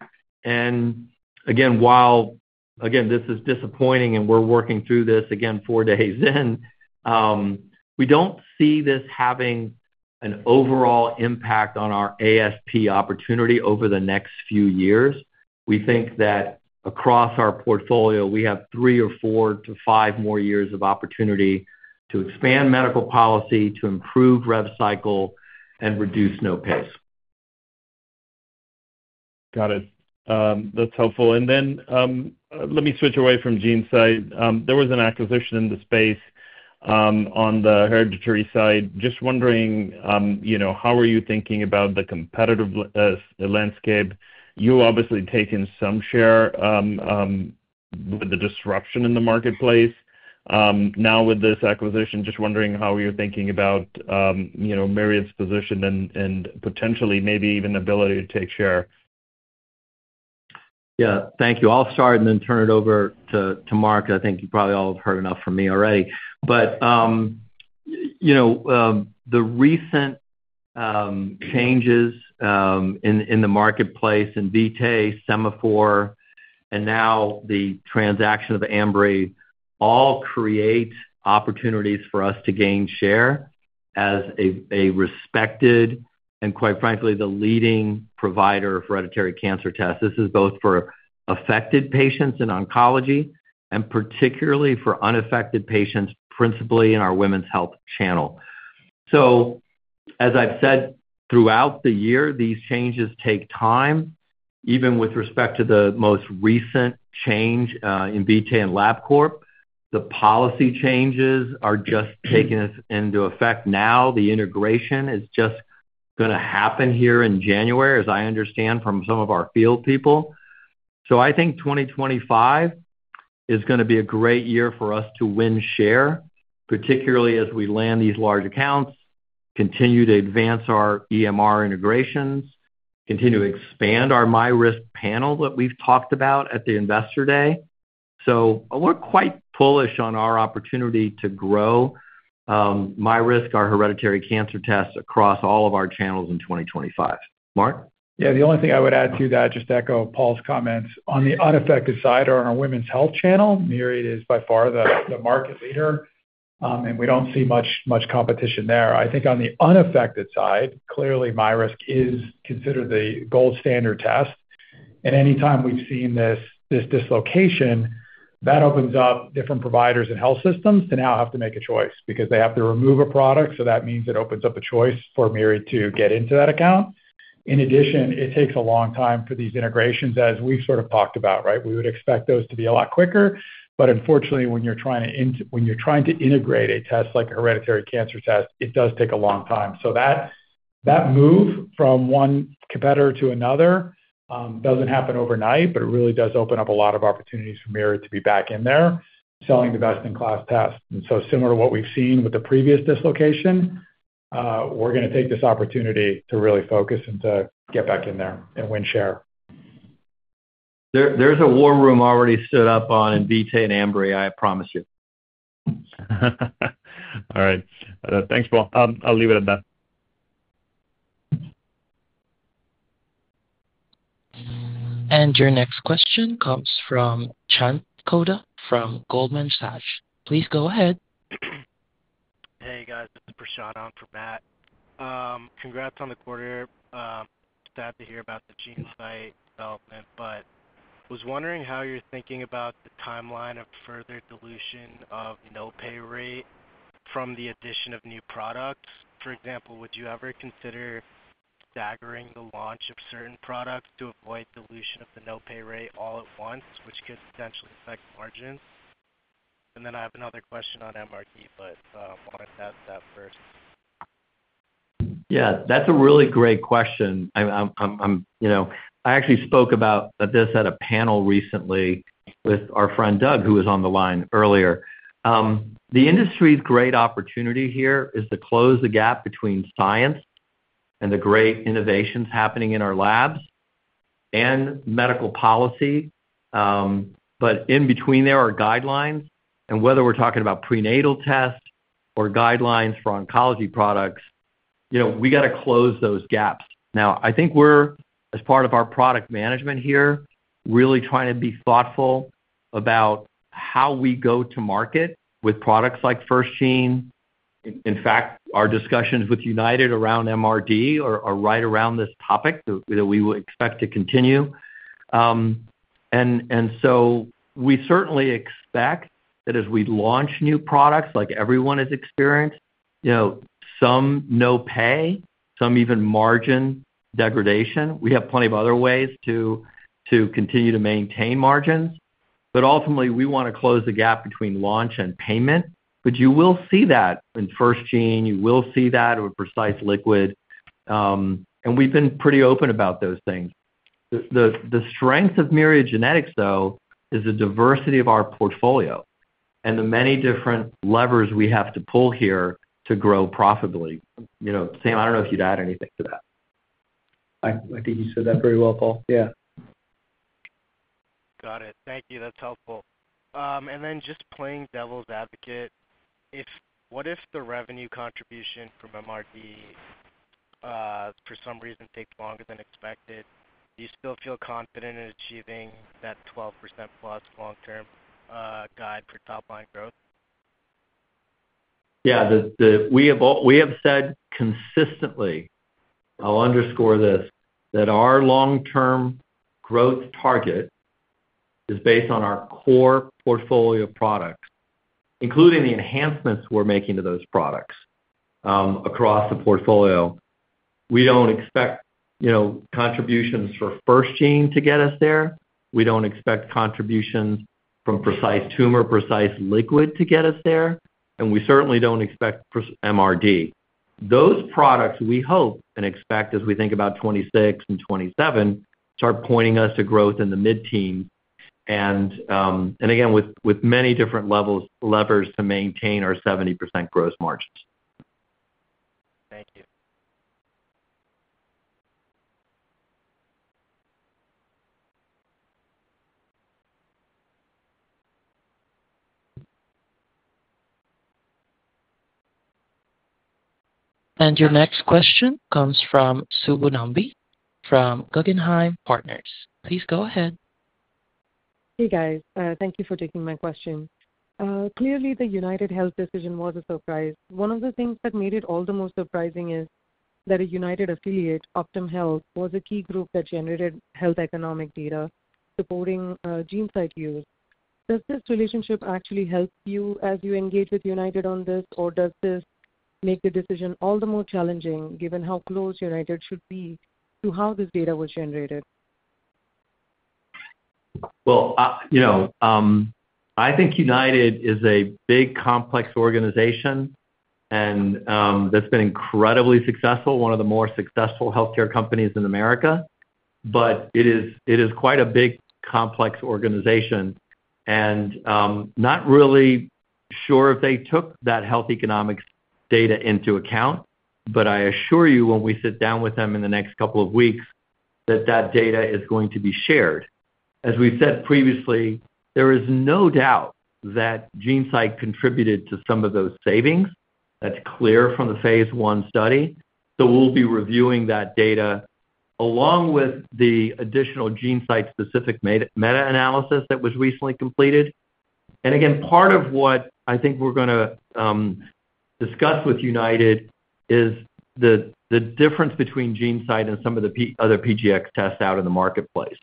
Again, while this is disappointing and we're working through this four days in, we don't see this having an overall impact on our ASP opportunity over the next few years. We think that across our portfolio, we have three or four to five more years of opportunity to expand medical policy, to improve rev cycle, and reduce no-pays. Got it. That's helpful. And then let me switch away from GeneSight. There was an acquisition in the space on the hereditary side. Just wondering, how are you thinking about the competitive landscape? You've obviously taken some share with the disruption in the marketplace. Now with this acquisition, just wondering how you're thinking about Myriad's position and potentially maybe even ability to take share. Yeah. Thank you. I'll start and then turn it over to Mark. I think you probably all have heard enough from me already. But the recent changes in the marketplace in Invitae, Sema4, and now the transaction of Ambry all create opportunities for us to gain share as a respected and, quite frankly, the leading provider of hereditary cancer tests. This is both for affected patients in oncology and particularly for unaffected patients, principally in our women's health channel. So as I've said, throughout the year, these changes take time. Even with respect to the most recent change in Invitae and Labcorp, the policy changes are just taking into effect now. The integration is just going to happen here in January, as I understand from some of our field people. So I think 2025 is going to be a great year for us to win share, particularly as we land these large accounts, continue to advance our EMR integrations, continue to expand our MyRisk panel that we've talked about at the investor day. So we're quite bullish on our opportunity to grow MyRisk, our hereditary cancer tests across all of our channels in 2025. Mark? Yeah. The only thing I would add to that, just echo Paul's comments, on the unaffected side or on our women's health channel, Myriad is by far the market leader, and we don't see much competition there. I think on the unaffected side, clearly, MyRisk is considered the gold standard test. And anytime we've seen this dislocation, that opens up different providers and health systems to now have to make a choice because they have to remove a product. So that means it opens up a choice for Myriad to get into that account. In addition, it takes a long time for these integrations, as we've sort of talked about, right? We would expect those to be a lot quicker. But unfortunately, when you're trying to integrate a test like a hereditary cancer test, it does take a long time. So that move from one competitor to another doesn't happen overnight, but it really does open up a lot of opportunities for Myriad to be back in there selling the best-in-class test. And so similar to what we've seen with the previous dislocation, we're going to take this opportunity to really focus and to get back in there and win share. There's a war room already stood up on Invitae and Ambry, I promise you. All right. Thanks, Paul. I'll leave it at that. Your next question comes from Preshant Kothari from Goldman Sachs. Please go ahead. Hey, guys. This is Prashant on for Matt. Congrats on the quarter. I'm sad to hear about the GeneSight development, but I was wondering how you're thinking about the timeline of further dilution of the no-pay rate from the addition of new products. For example, would you ever consider staggering the launch of certain products to avoid dilution of the no-pay rate all at once, which could potentially affect margins? And then I have another question on MyRisk, but I wanted to ask that first. Yeah. That's a really great question. I actually spoke about this at a panel recently with our friend Doug, who was on the line earlier. The industry's great opportunity here is to close the gap between science and the great innovations happening in our labs and medical policy. But in between, there are guidelines. And whether we're talking about prenatal tests or guidelines for oncology products, we got to close those gaps. Now, I think we're, as part of our product management here, really trying to be thoughtful about how we go to market with products like FirstGene. In fact, our discussions with United around MRD are right around this topic that we would expect to continue. And so we certainly expect that as we launch new products, like everyone has experienced, some no-pay, some even margin degradation. We have plenty of other ways to continue to maintain margins. But ultimately, we want to close the gap between launch and payment. But you will see that in FirstGene. You will see that with Precise Liquid. And we've been pretty open about those things. The strength of Myriad Genetics, though, is the diversity of our portfolio and the many different levers we have to pull here to grow profitably. Sam, I don't know if you'd add anything to that. I think you said that very well, Paul. Yeah. Got it. Thank you. That's helpful. And then just playing devil's advocate, what if the revenue contribution from MRD, for some reason, takes longer than expected? Do you still feel confident in achieving that 12%+ long-term guide for top-line growth? Yeah. We have said consistently, I'll underscore this, that our long-term growth target is based on our core portfolio products, including the enhancements we're making to those products across the portfolio. We don't expect contributions for FirstGene to get us there. We don't expect contributions from Precise Tumor, Precise Liquid to get us there. And we certainly don't expect MRD. Those products, we hope and expect as we think about 2026 and 2027, start pointing us to growth in the mid-teens and, again, with many different levers to maintain our 70% gross margins. Thank you. And your next question comes from Subbu Nambi from Guggenheim Securities. Please go ahead. Hey, guys. Thank you for taking my question. Clearly, the UnitedHealthcare decision was a surprise. One of the things that made it all the more surprising is that a United affiliate, Optum Health, was a key group that generated health economic data supporting GeneSight use. Does this relationship actually help you as you engage with United on this, or does this make the decision all the more challenging given how close United should be to how this data was generated? I think United is a big, complex organization that's been incredibly successful, one of the more successful healthcare companies in America. But it is quite a big, complex organization. And not really sure if they took that health economics data into account, but I assure you when we sit down with them in the next couple of weeks that that data is going to be shared. As we've said previously, there is no doubt that GeneSight contributed to some of those savings. That's clear from the Phase I study. So we'll be reviewing that data along with the additional GeneSight-specific meta-analysis that was recently completed. And again, part of what I think we're going to discuss with United is the difference between GeneSight and some of the other PGx tests out in the marketplace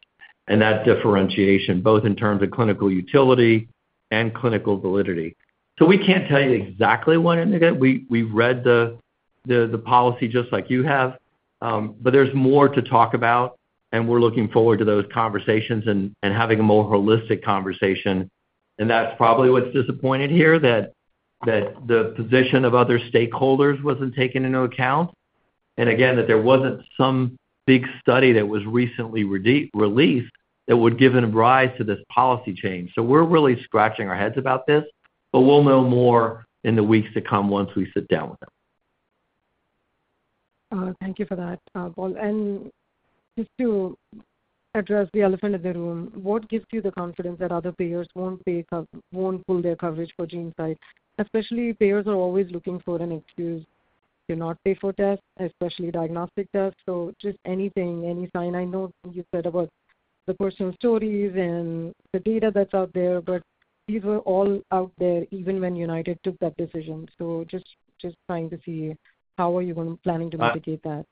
and that differentiation, both in terms of clinical utility and clinical validity. So we can't tell you exactly what we read in the policy just like you have, but there's more to talk about. And we're looking forward to those conversations and having a more holistic conversation. And that's probably what's disappointing here, that the position of other stakeholders wasn't taken into account. And again, that there wasn't some big study that was recently released that would give rise to this policy change. So we're really scratching our heads about this, but we'll know more in the weeks to come once we sit down with them. Thank you for that, Paul. And just to address the elephant in the room, what gives you the confidence that other payers won't pull their coverage for GeneSight? Especially payers are always looking for an excuse to not pay for tests, especially diagnostic tests. So just anything, any sign I know you said about the personal stories and the data that's out there, but these were all out there even when United took that decision. So just trying to see how are you planning to mitigate that?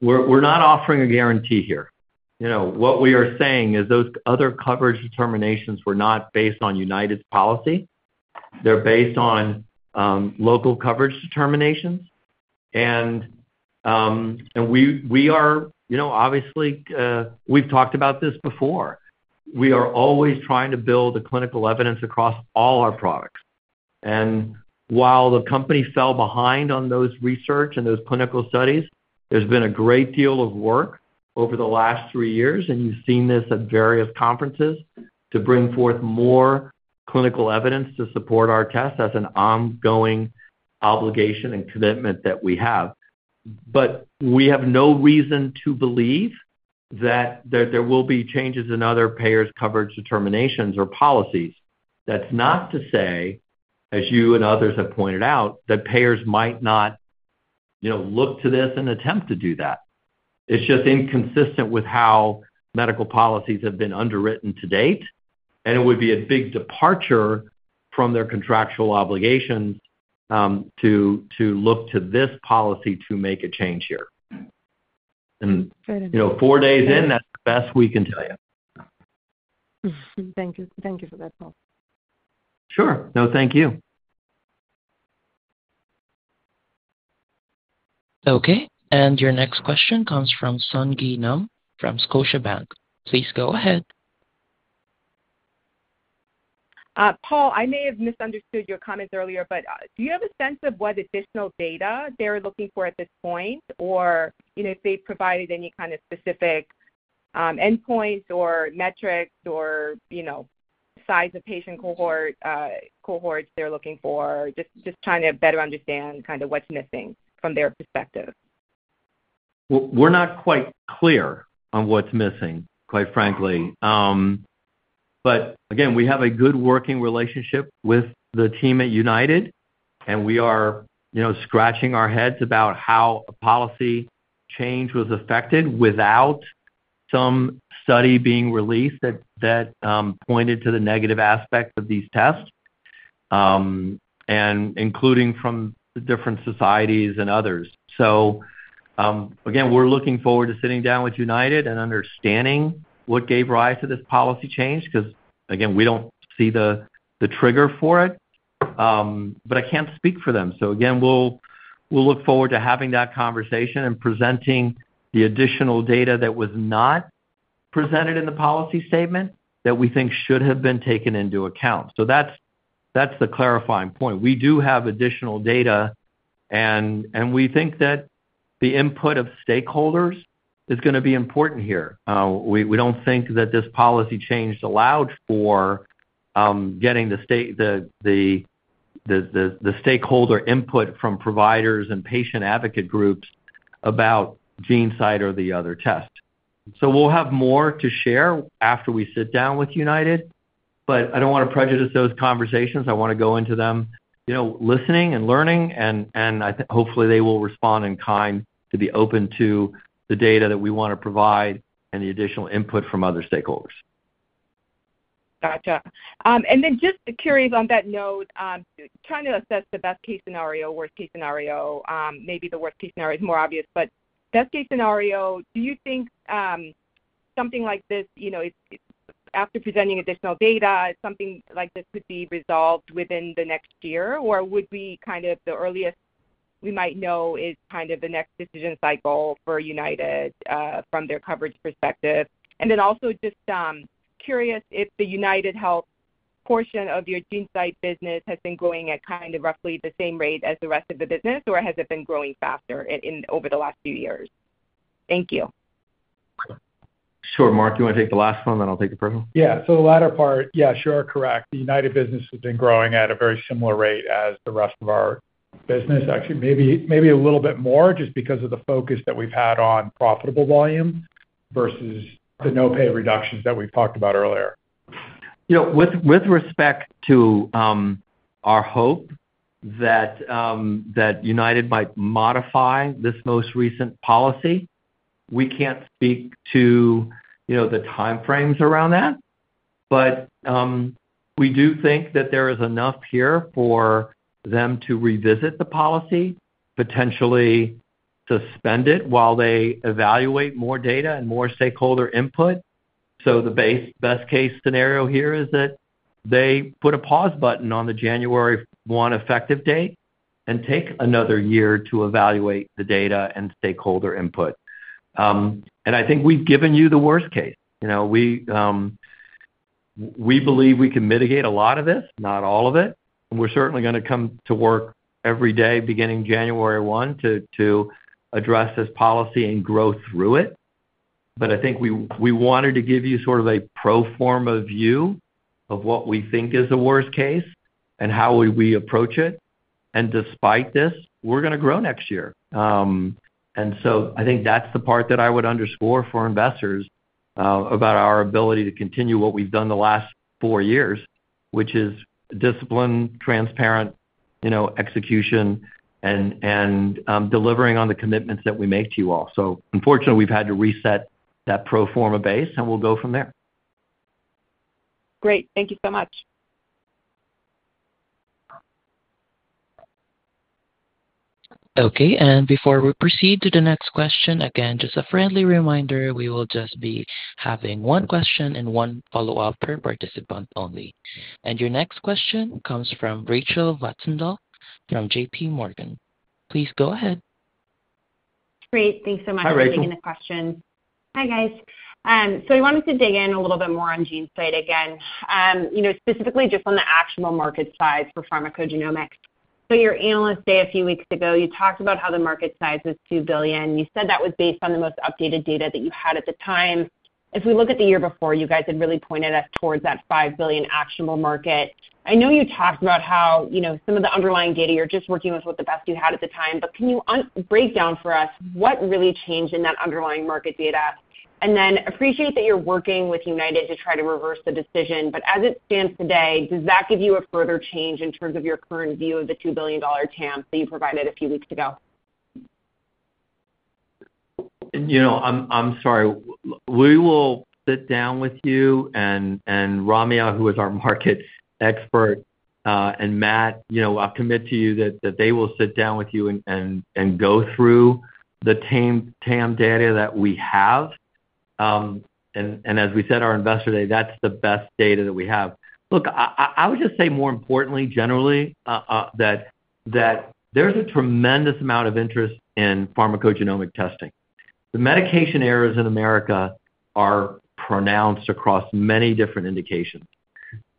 We're not offering a guarantee here. What we are saying is those other coverage determinations were not based on United's policy. They're based on local coverage determinations, and we are obviously, we've talked about this before. We are always trying to build the clinical evidence across all our products, and while the company fell behind on those research and those clinical studies, there's been a great deal of work over the last three years, and you've seen this at various conferences to bring forth more clinical evidence to support our tests as an ongoing obligation and commitment that we have, but we have no reason to believe that there will be changes in other payers' coverage determinations or policies. That's not to say, as you and others have pointed out, that payers might not look to this and attempt to do that. It's just inconsistent with how medical policies have been underwritten to date. And it would be a big departure from their contractual obligations to look to this policy to make a change here. And four days in, that's the best we can tell you. Thank you. Thank you for that, Paul. Sure. No, thank you. Okay. And your next question comes from Sung Ji Nam from Scotiabank. Please go ahead. Paul, I may have misunderstood your comments earlier, but do you have a sense of what additional data they're looking for at this point, or if they provided any kind of specific endpoints or metrics or size of patient cohorts they're looking for, just trying to better understand kind of what's missing from their perspective? We're not quite clear on what's missing, quite frankly. But again, we have a good working relationship with the team at United, and we are scratching our heads about how a policy change was effected without some study being released that pointed to the negative aspect of these tests, including from different societies and others. So again, we're looking forward to sitting down with United and understanding what gave rise to this policy change because, again, we don't see the trigger for it. But I can't speak for them. So again, we'll look forward to having that conversation and presenting the additional data that was not presented in the policy statement that we think should have been taken into account. So that's the clarifying point. We do have additional data, and we think that the input of stakeholders is going to be important here. We don't think that this policy change allowed for getting the stakeholder input from providers and patient advocate groups about GeneSight or the other test. So we'll have more to share after we sit down with United, but I don't want to prejudice those conversations. I want to go into them listening and learning, and hopefully, they will respond in kind to be open to the data that we want to provide and the additional input from other stakeholders. Gotcha. And then just curious on that note, trying to assess the best-case scenario, worst-case scenario, maybe the worst-case scenario is more obvious, but best-case scenario, do you think something like this, after presenting additional data, something like this could be resolved within the next year? Or would we kind of the earliest we might know is kind of the next decision cycle for United from their coverage perspective? And then also just curious if the UnitedHealthcare portion of your GeneSight business has been growing at kind of roughly the same rate as the rest of the business, or has it been growing faster over the last few years? Thank you. Sure. Mark, do you want to take the last one, then I'll take the first one? Yeah. So the latter part, yeah, sure correct. The United business has been growing at a very similar rate as the rest of our business, actually. Maybe a little bit more just because of the focus that we've had on profitable volume versus the no-pay reductions that we've talked about earlier. With respect to our hope that United might modify this most recent policy, we can't speak to the time frames around that. But we do think that there is enough here for them to revisit the policy, potentially suspend it while they evaluate more data and more stakeholder input. So the best-case scenario here is that they put a pause button on the January 1 effective date and take another year to evaluate the data and stakeholder input. And I think we've given you the worst case. We believe we can mitigate a lot of this, not all of it. And we're certainly going to come to work every day beginning January 1 to address this policy and grow through it. But I think we wanted to give you sort of a pro forma view of what we think is the worst case and how we approach it. Despite this, we're going to grow next year. I think that's the part that I would underscore for investors about our ability to continue what we've done the last four years, which is discipline, transparent execution, and delivering on the commitments that we make to you all. Unfortunately, we've had to reset that pro forma base, and we'll go from there. Great. Thank you so much. Okay. And before we proceed to the next question, again, just a friendly reminder, we will just be having one question and one follow-up per participant only. And your next question comes from Rachel Vatnsdal from JPMorgan. Please go ahead. Great. Thanks so much for taking the question. Hi, guys. So we wanted to dig in a little bit more on GeneSight again, specifically just on the actual market size for pharmacogenomics. So your analysts say a few weeks ago, you talked about how the market size was $2 billion. You said that was based on the most updated data that you had at the time. If we look at the year before, you guys had really pointed us towards that $5 billion actionable market. I know you talked about how some of the underlying data you're just working with was the best you had at the time, but can you break down for us what really changed in that underlying market data? And then appreciate that you're working with United to try to reverse the decision. But as it stands today, does that give you a further change in terms of your current view of the $2 billion TAM that you provided a few weeks ago? I'm sorry. We will sit down with you and Romeo, who is our market expert, and Matt. I'll commit to you that they will sit down with you and go through the TAM data that we have. And as we said to our investor today, that's the best data that we have. Look, I would just say more importantly, generally, that there's a tremendous amount of interest in pharmacogenomic testing. The medication errors in America are pronounced across many different indications.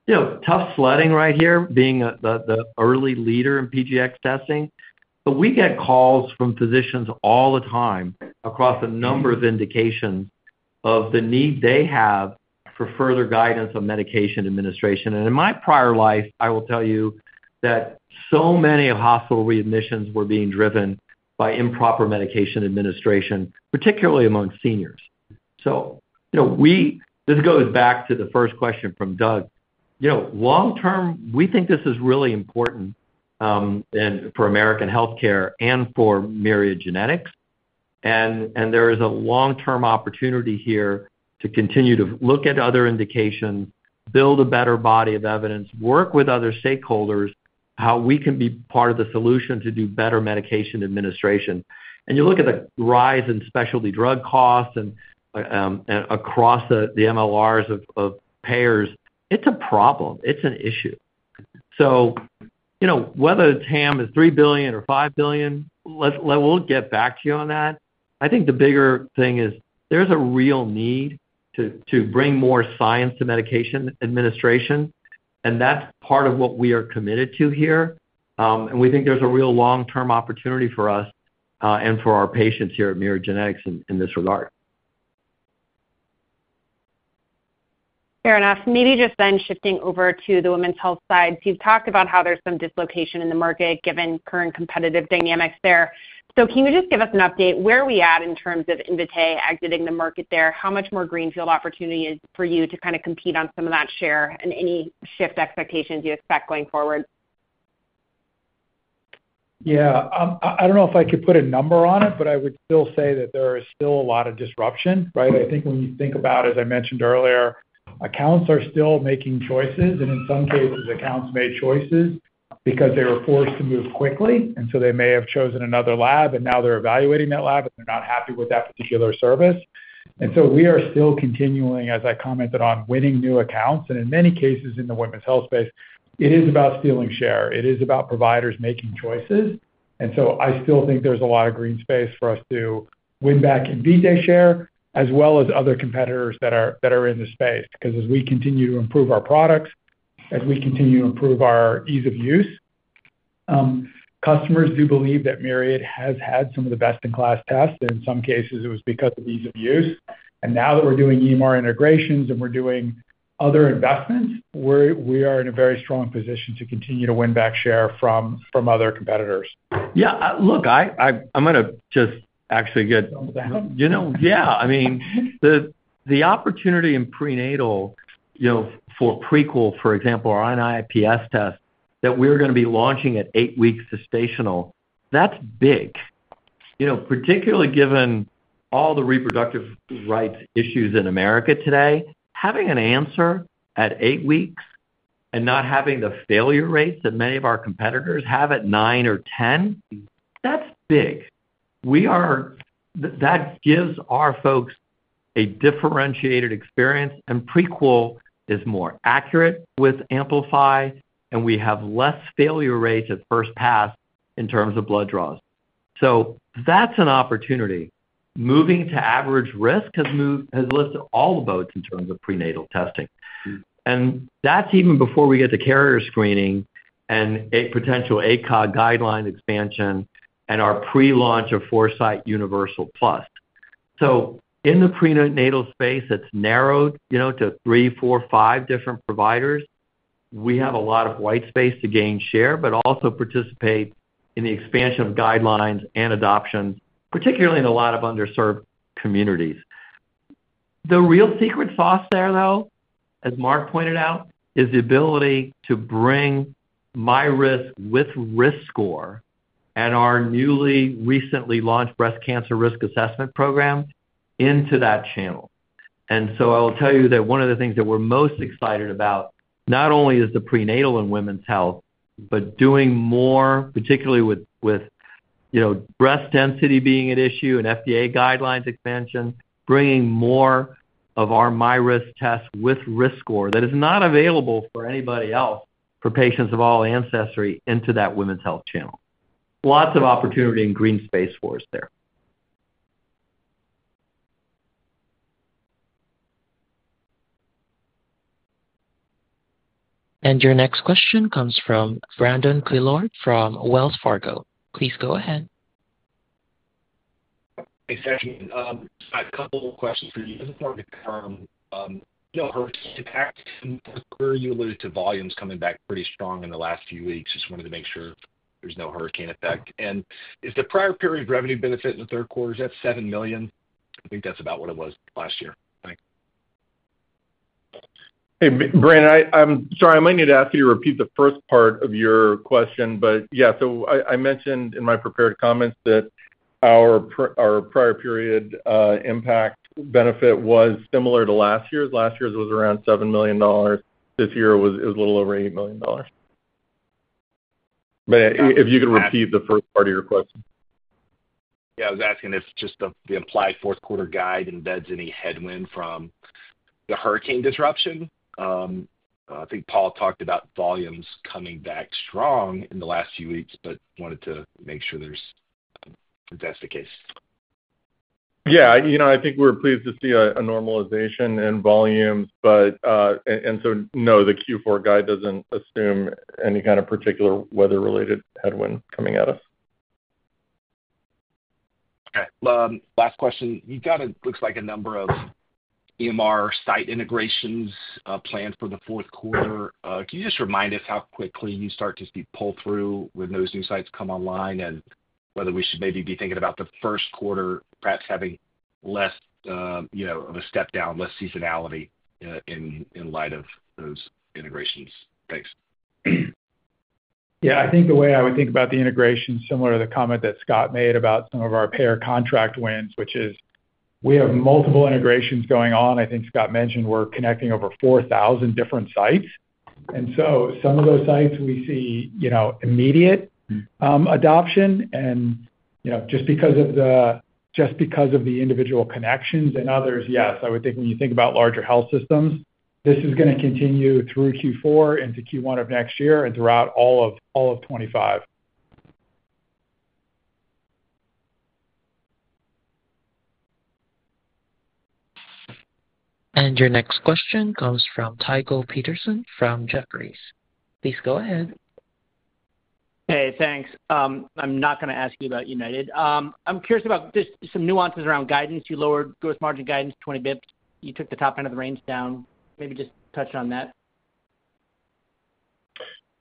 With GeneSight right here being the early leader in PGX testing. But we get calls from physicians all the time across a number of indications of the need they have for further guidance on medication administration. And in my prior life, I will tell you that so many hospital readmissions were being driven by improper medication administration, particularly among seniors. This goes back to the first question from Doug. Long term, we think this is really important for American healthcare and for Myriad Genetics. There is a long-term opportunity here to continue to look at other indications, build a better body of evidence, work with other stakeholders, how we can be part of the solution to do better medication administration. You look at the rise in specialty drug costs across the MLRs of payers; it's a problem. It's an issue. Whether TAM is $3 billion or $5 billion, we'll get back to you on that. I think the bigger thing is there's a real need to bring more science to medication administration. That's part of what we are committed to here. We think there's a real long-term opportunity for us and for our patients here at Myriad Genetics in this regard. Fair enough. Maybe just then shifting over to the women's health side, so you've talked about how there's some dislocation in the market given current competitive dynamics there. So can you just give us an update where we are in terms of Invitae exiting the market there? How much more greenfield opportunity is for you to kind of compete on some of that share and any shift expectations you expect going forward? Yeah. I don't know if I could put a number on it, but I would still say that there is still a lot of disruption, right? I think when you think about, as I mentioned earlier, accounts are still making choices. And in some cases, accounts made choices because they were forced to move quickly. And so they may have chosen another lab, and now they're evaluating that lab, and they're not happy with that particular service. And so we are still continuing, as I commented on, winning new accounts. And in many cases in the women's health space, it is about stealing share. It is about providers making choices. And so I still think there's a lot of white space for us to win back Invitae share as well as other competitors that are in the space because as we continue to improve our products, as we continue to improve our ease of use, customers do believe that Myriad has had some of the best-in-class tests. And in some cases, it was because of ease of use. And now that we're doing EMR integrations and we're doing other investments, we are in a very strong position to continue to win back share from other competitors. I mean, the opportunity in prenatal for Prequel, for example, our NIPS test that we're going to be launching at eight weeks gestational, that's big, particularly given all the reproductive rights issues in America today. Having an answer at eight weeks and not having the failure rates that many of our competitors have at 9 or 10, that's big. That gives our folks a differentiated experience. And Prequel is more accurate with Amplify, and we have less failure rates at first pass in terms of blood draws. So that's an opportunity. Moving to average risk has lifted all the boats in terms of prenatal testing. And that's even before we get to carrier screening and a potential ACOG guideline expansion and our pre-launch of Foresight Universal Plus. So in the prenatal space, it's narrowed to three, four, five different providers. We have a lot of white space to gain share, but also participate in the expansion of guidelines and adoptions, particularly in a lot of underserved communities. The real secret sauce there, though, as Mark pointed out, is the ability to bring MyRisk with RiskScore and our newly recently launched breast cancer risk assessment program into that channel. So I will tell you that one of the things that we're most excited about not only is the prenatal and women's health, but doing more, particularly with breast density being an issue and FDA guidelines expansion, bringing more of our MyRisk test with RiskScore that is not available for anybody else for patients of all ancestry into that women's health channel. Lots of opportunity and green space for us there. And your next question comes from Brandon Couillard from Wells Fargo. Please go ahead. Hey, Sam. A couple of questions for you before we confirm. Hurricane impact? You alluded to volumes coming back pretty strong in the last few weeks. Just wanted to make sure there's no hurricane effect. And is the prior period revenue benefit in the third quarter $7 million? I think that's about what it was last year. Thanks. Hey, Brandon, I'm sorry. I might need to ask you to repeat the first part of your question, but yeah. So I mentioned in my prepared comments that our prior period impact benefit was similar to last year's. Last year's was around $7 million. This year, it was a little over $8 million. But if you could repeat the first part of your question. Yeah. I was asking if just the implied fourth quarter guide embeds any headwind from the hurricane disruption. I think Paul talked about volumes coming back strong in the last few weeks, but wanted to make sure that's the case. Yeah. I think we're pleased to see a normalization in volumes. And so no, the Q4 guide doesn't assume any kind of particular weather-related headwind coming at us. Okay. Last question. You've got, looks like, a number of EMR site integrations planned for the fourth quarter. Can you just remind us how quickly you start to see pull-through when those new sites come online and whether we should maybe be thinking about the first quarter perhaps having less of a step down, less seasonality in light of those integrations? Thanks. Yeah. I think the way I would think about the integration is similar to the comment that Scott made about some of our payer contract wins, which is we have multiple integrations going on. I think Scott mentioned we're connecting over 4,000 different sites. And so some of those sites we see immediate adoption. And just because of the individual connections and others, yes, I would think when you think about larger health systems, this is going to continue through Q4 into Q1 of next year and throughout all of 2025. Your next question comes from Tycho Peterson from Jefferies. Please go ahead. Hey, thanks. I'm not going to ask you about United. I'm curious about just some nuances around guidance. You lowered gross margin guidance 20 basis points. You took the top end of the range down. Maybe just touch on that.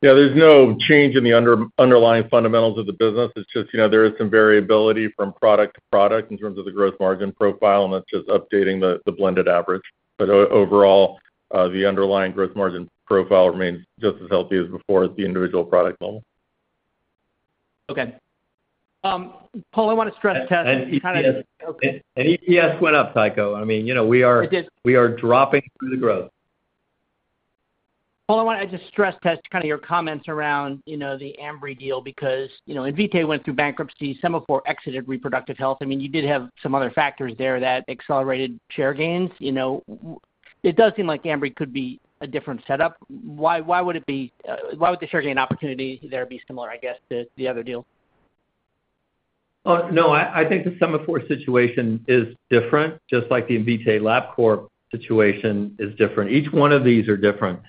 Yeah. There's no change in the underlying fundamentals of the business. It's just there is some variability from product to product in terms of the gross margin profile, and that's just updating the blended average. But overall, the underlying gross margin profile remains just as healthy as before at the individual product level. Okay. Paul, I want to stress test. EPS went up, Tycho. I mean, we are dropping through the growth. Paul, I want to just stress test kind of your comments around the Ambry deal because Invitae went through bankruptcy. Sema4 exited Reproductive Health. I mean, you did have some other factors there that accelerated share gains. It does seem like Ambry could be a different setup. Why would it be the share gain opportunity there be similar, I guess, to the other deal? Oh, no. I think the Sema4 situation is different, just like the Invitae-LabCorp situation is different. Each one of these are different.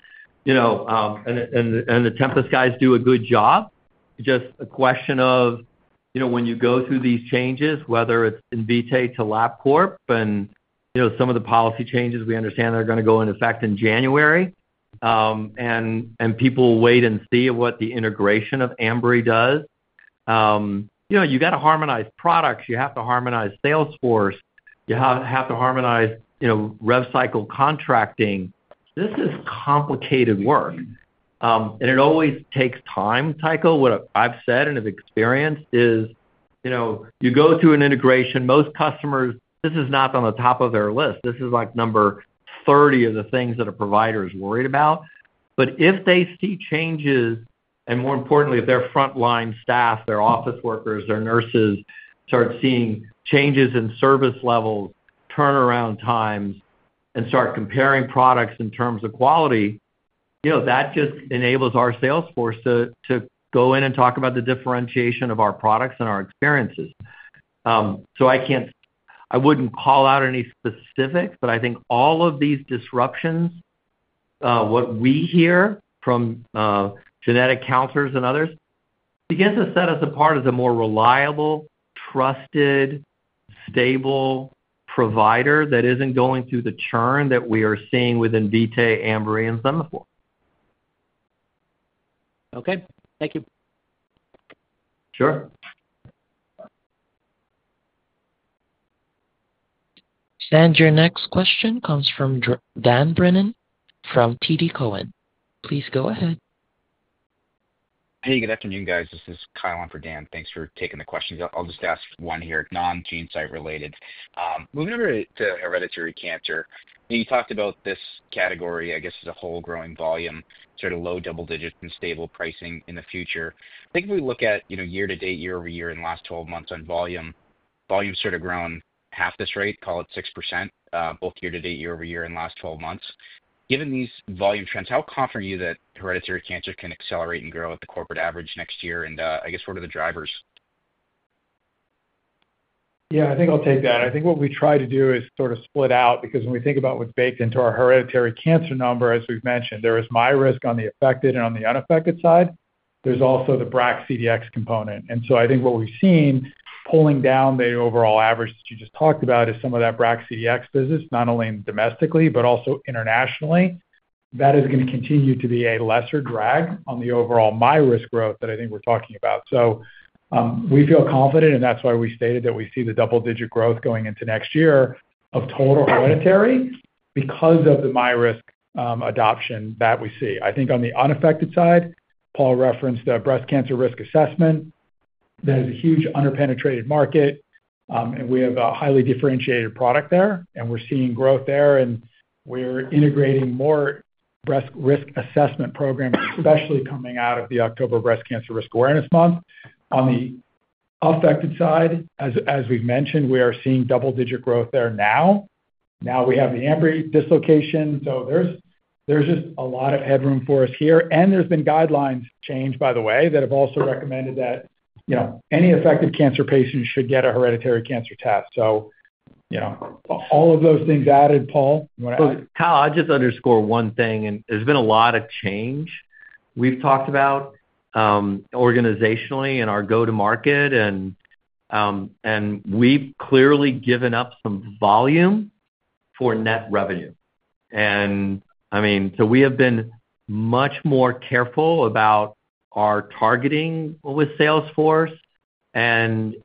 The Tempus guys do a good job. Just a question of when you go through these changes, whether it's Invitae to LabCorp and some of the policy changes, we understand they're going to go into effect in January. People wait and see what the integration of Ambry does. You got to harmonize products. You have to harmonize Salesforce. You have to harmonize rev cycle contracting. This is complicated work. It always takes time. Tycho, what I've said and have experienced is you go through an integration. Most customers, this is not on the top of their list. This is like number 30 of the things that a provider is worried about. But if they see changes, and more importantly, if their frontline staff, their office workers, their nurses start seeing changes in service levels, turnaround times, and start comparing products in terms of quality, that just enables our sales force to go in and talk about the differentiation of our products and our experiences. So I wouldn't call out any specifics, but I think all of these disruptions, what we hear from genetic counselors and others, begins to set us apart as a more reliable, trusted, stable provider that isn't going through the churn that we are seeing with Invitae, Ambry, and Sema4. Okay. Thank you. Sure. Your next question comes from Dan Brennan from TD Cowen. Please go ahead. Hey, good afternoon, guys. This is Kyle for Dan. Thanks for taking the questions. I'll just ask one here. Non-GeneSight related. Moving over to hereditary cancer. You talked about this category, I guess, as a whole growing volume, sort of low double digits% and stable pricing in the future. I think if we look at year to date, year-over-year, and last 12 months on volume, volume's sort of grown half this rate, call it 6%, both year to date, year-over-year, and last 12 months. Given these volume trends, how confident are you that hereditary cancer can accelerate and grow at the corporate average next year? And I guess, what are the drivers? Yeah. I think I'll take that. I think what we try to do is sort of split out because when we think about what's baked into our hereditary cancer number, as we've mentioned, there is MyRisk on the affected and on the unaffected side. There's also the BRCA CDX component. And so I think what we've seen pulling down the overall average that you just talked about is some of that BRCA CDX business, not only domestically, but also internationally. That is going to continue to be a lesser drag on the overall MyRisk growth that I think we're talking about. So we feel confident, and that's why we stated that we see the double-digit growth going into next year of total hereditary because of the MyRisk adoption that we see. I think on the unaffected side, Paul referenced the breast cancer risk assessment. That is a huge underpenetrated market, and we have a highly differentiated product there. And we're seeing growth there, and we're integrating more breast risk assessment programs, especially coming out of the October Breast Cancer Risk Awareness Month. On the affected side, as we've mentioned, we are seeing double-digit growth there now. Now we have the Ambry dislocation. So there's just a lot of headroom for us here. And there's been guidelines changed, by the way, that have also recommended that any affected cancer patient should get a hereditary cancer test. So all of those things added, Paul. Kyle, I'll just underscore one thing. And there's been a lot of change we've talked about organizationally in our go-to-market. And we've clearly given up some volume for net revenue. And I mean, so we have been much more careful about our targeting with sales force and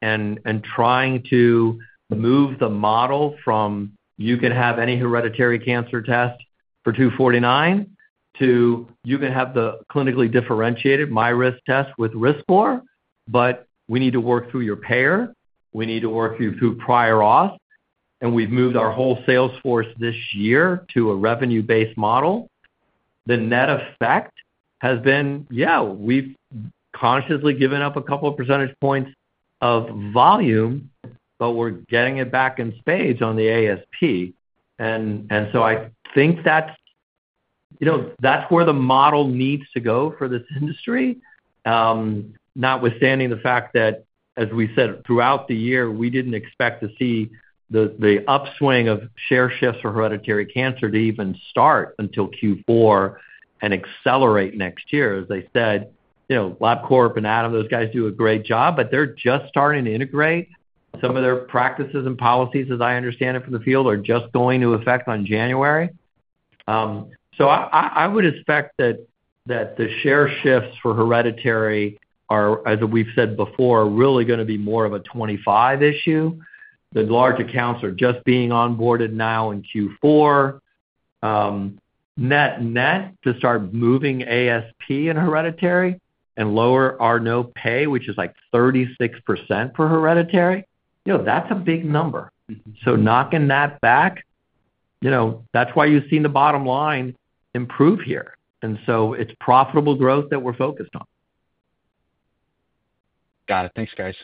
trying to move the model from, "You can have any hereditary cancer test for $249," to, "You can have the clinically differentiated MyRisk test with RiskScore." But we need to work through your payer. We need to work you through prior auth. And we've moved our whole sales force this year to a revenue-based model. The net effect has been, yeah, we've consciously given up a couple of percentage points of volume, but we're getting it back in spades on the ASP. And so I think that's where the model needs to go for this industry. Notwithstanding the fact that, as we said, throughout the year, we didn't expect to see the upswing of share shifts for hereditary cancer to even start until Q4 and accelerate next year. As I said, LabCorp and Ambry, those guys do a great job, but they're just starting to integrate. Some of their practices and policies, as I understand it from the field, are just going into effect on January, so I would expect that the share shifts for hereditary, as we've said before, are really going to be more of a '25 issue. The large accounts are just being onboarded now in Q4. Net-net to start moving ASP and hereditary and lower our no-pay, which is like 36% for hereditary, that's a big number. So knocking that back, that's why you've seen the bottom line improve here, and so it's profitable growth that we're focused on. Got it. Thanks, guys.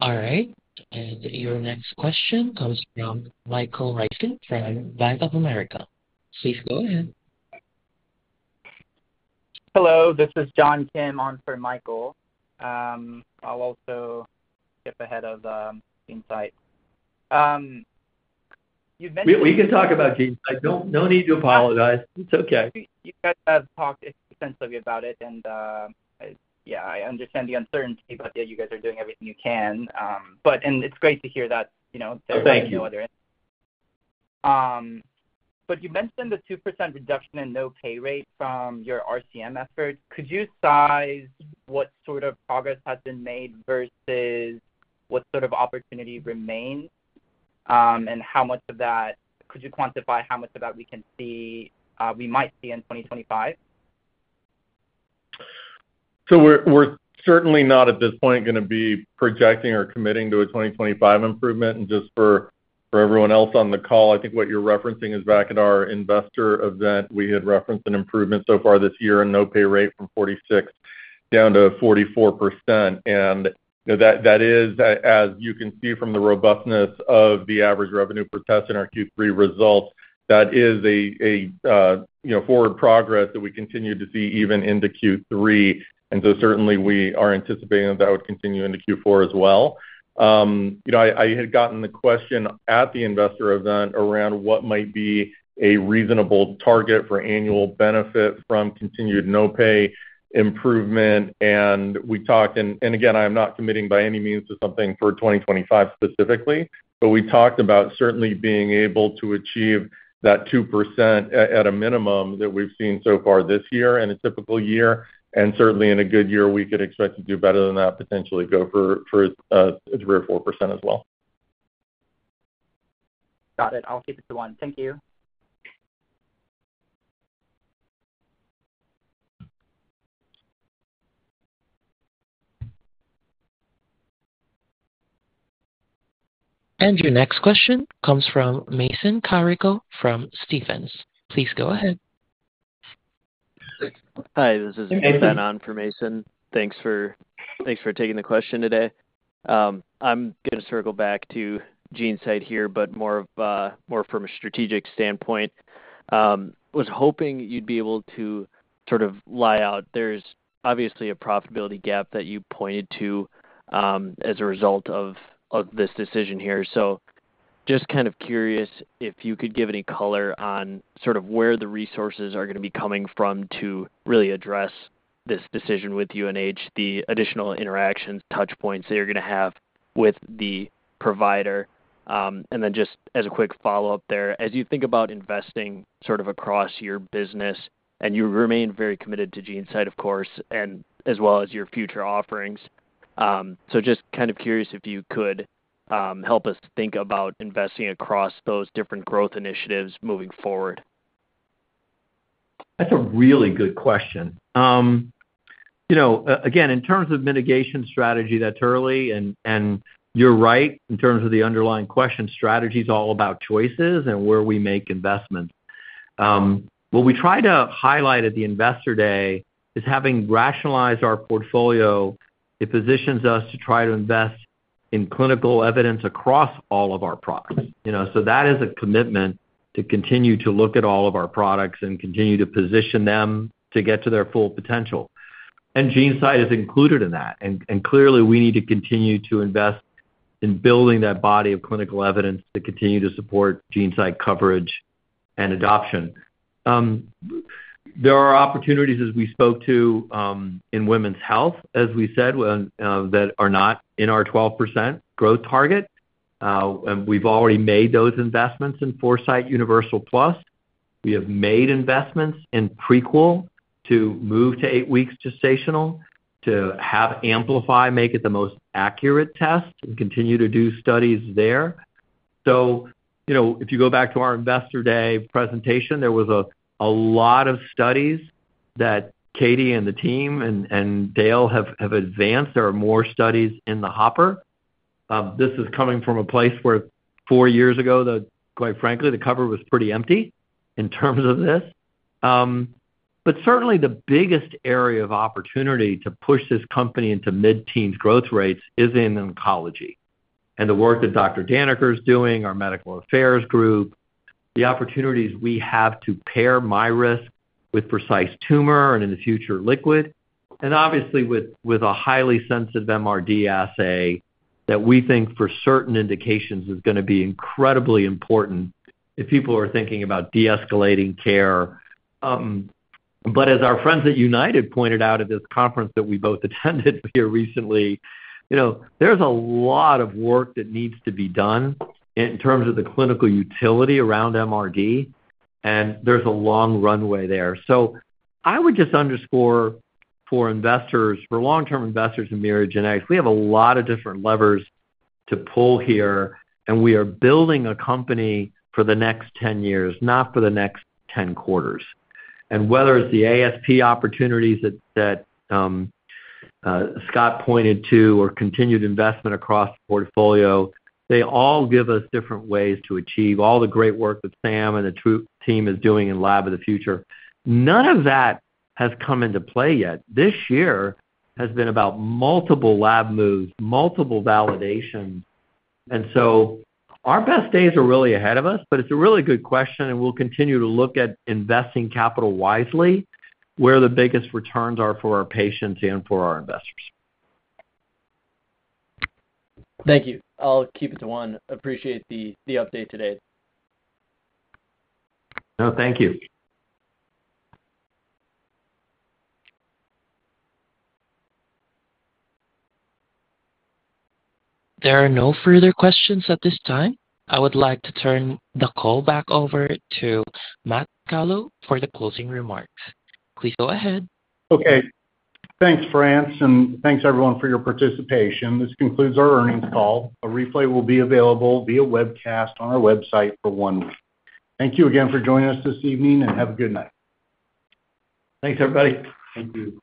All right. And your next question comes from Michael Ryskin from Bank of America. Please go ahead. Hello. This is John Kim on for Michael. I'll also skip ahead of GeneSight. You've mentioned. We can talk about GeneSight. No need to apologize. It's okay. You guys have talked extensively about it. And yeah, I understand the uncertainty, but yeah, you guys are doing everything you can. And it's great to hear that. Well, thank you. But you mentioned the 2% reduction in no-pay rate from your RCM effort. Could you size what sort of progress has been made versus what sort of opportunity remains? And how much of that could you quantify, how much of that we might see in 2025? So we're certainly not at this point going to be projecting or committing to a 2025 improvement. And just for everyone else on the call, I think what you're referencing is back at our investor event, we had referenced an improvement so far this year in no-pay rate from 46% down to 44%. And that is, as you can see from the robustness of the average revenue per test in our Q3 results, that is a forward progress that we continue to see even into Q3. And so certainly, we are anticipating that that would continue into Q4 as well. I had gotten the question at the investor event around what might be a reasonable target for annual benefit from continued no-pay improvement. We talked, and again, I am not committing by any means to something for 2025 specifically, but we talked about certainly being able to achieve that 2% at a minimum that we've seen so far this year in a typical year. Certainly, in a good year, we could expect to do better than that, potentially go for 3% or 4% as well. Got it. I'll keep it to one. Thank you. Your next question comes from Mason Carrico from Stephens. Please go ahead. Hi. This is Binan from Stephens. Thanks for taking the question today. I'm going to circle back to GeneSight here, but more from a strategic standpoint. I was hoping you'd be able to sort of lay out. There's obviously a profitability gap that you pointed to as a result of this decision here. So just kind of curious if you could give any color on sort of where the resources are going to be coming from to really address this decision with UHC, the additional interactions, touchpoints that you're going to have with the provider. And then just as a quick follow-up there, as you think about investing sort of across your business, and you remain very committed to GeneSight, of course, as well as your future offerings. So just kind of curious if you could help us think about investing across those different growth initiatives moving forward. That's a really good question. Again, in terms of mitigation strategy, that's early, and you're right in terms of the underlying question. Strategy is all about choices and where we make investments. What we try to highlight at the Investor Day is having rationalized our portfolio positions us to try to invest in clinical evidence across all of our products. So that is a commitment to continue to look at all of our products and continue to position them to get to their full potential, and GeneSight is included in that, and clearly, we need to continue to invest in building that body of clinical evidence to continue to support GeneSight coverage and adoption. There are opportunities, as we spoke to, in women's health, as we said, that are not in our 12% growth target, and we've already made those investments in Foresight Universal Plus. We have made investments in Prequel to move to eight-week gestational to have Amplify make it the most accurate test and continue to do studies there. So if you go back to our investor day presentation, there was a lot of studies that Katie and the team and Dale have advanced. There are more studies in the hopper. This is coming from a place where four years ago, quite frankly, the cover was pretty empty in terms of this. But certainly, the biggest area of opportunity to push this company into mid-teens growth rates is in oncology and the work that Dr. Daneker is doing, our medical affairs group, the opportunities we have to pair MyRisk with Precise Tumor and in the future Precise Liquid. And obviously, with a highly sensitive MRD assay that we think for certain indications is going to be incredibly important if people are thinking about de-escalating care. But as our friends at United pointed out at this conference that we both attended here recently, there's a lot of work that needs to be done in terms of the clinical utility around MRD. And there's a long runway there. So I would just underscore for long-term investors in Myriad Genetics, we have a lot of different levers to pull here. And we are building a company for the next 10 years, not for the next 10 quarters. And whether it's the ASP opportunities that Scott pointed to or continued investment across the portfolio, they all give us different ways to achieve all the great work that Sam and the team is doing in Lab of the Future. None of that has come into play yet. This year has been about multiple lab moves, multiple validations, and so our best days are really ahead of us, but it's a really good question, and we'll continue to look at investing capital wisely, where the biggest returns are for our patients and for our investors. Thank you. I'll keep it to one. Appreciate the update today. No, thank you. There are no further questions at this time. I would like to turn the call back over to Matt Scalo for the closing remarks. Please go ahead. Okay. Thanks, France. And thanks, everyone, for your participation. This concludes our earnings call. A replay will be available via webcast on our website for one week. Thank you again for joining us this evening, and have a good night. Thanks, everybody. Thank you.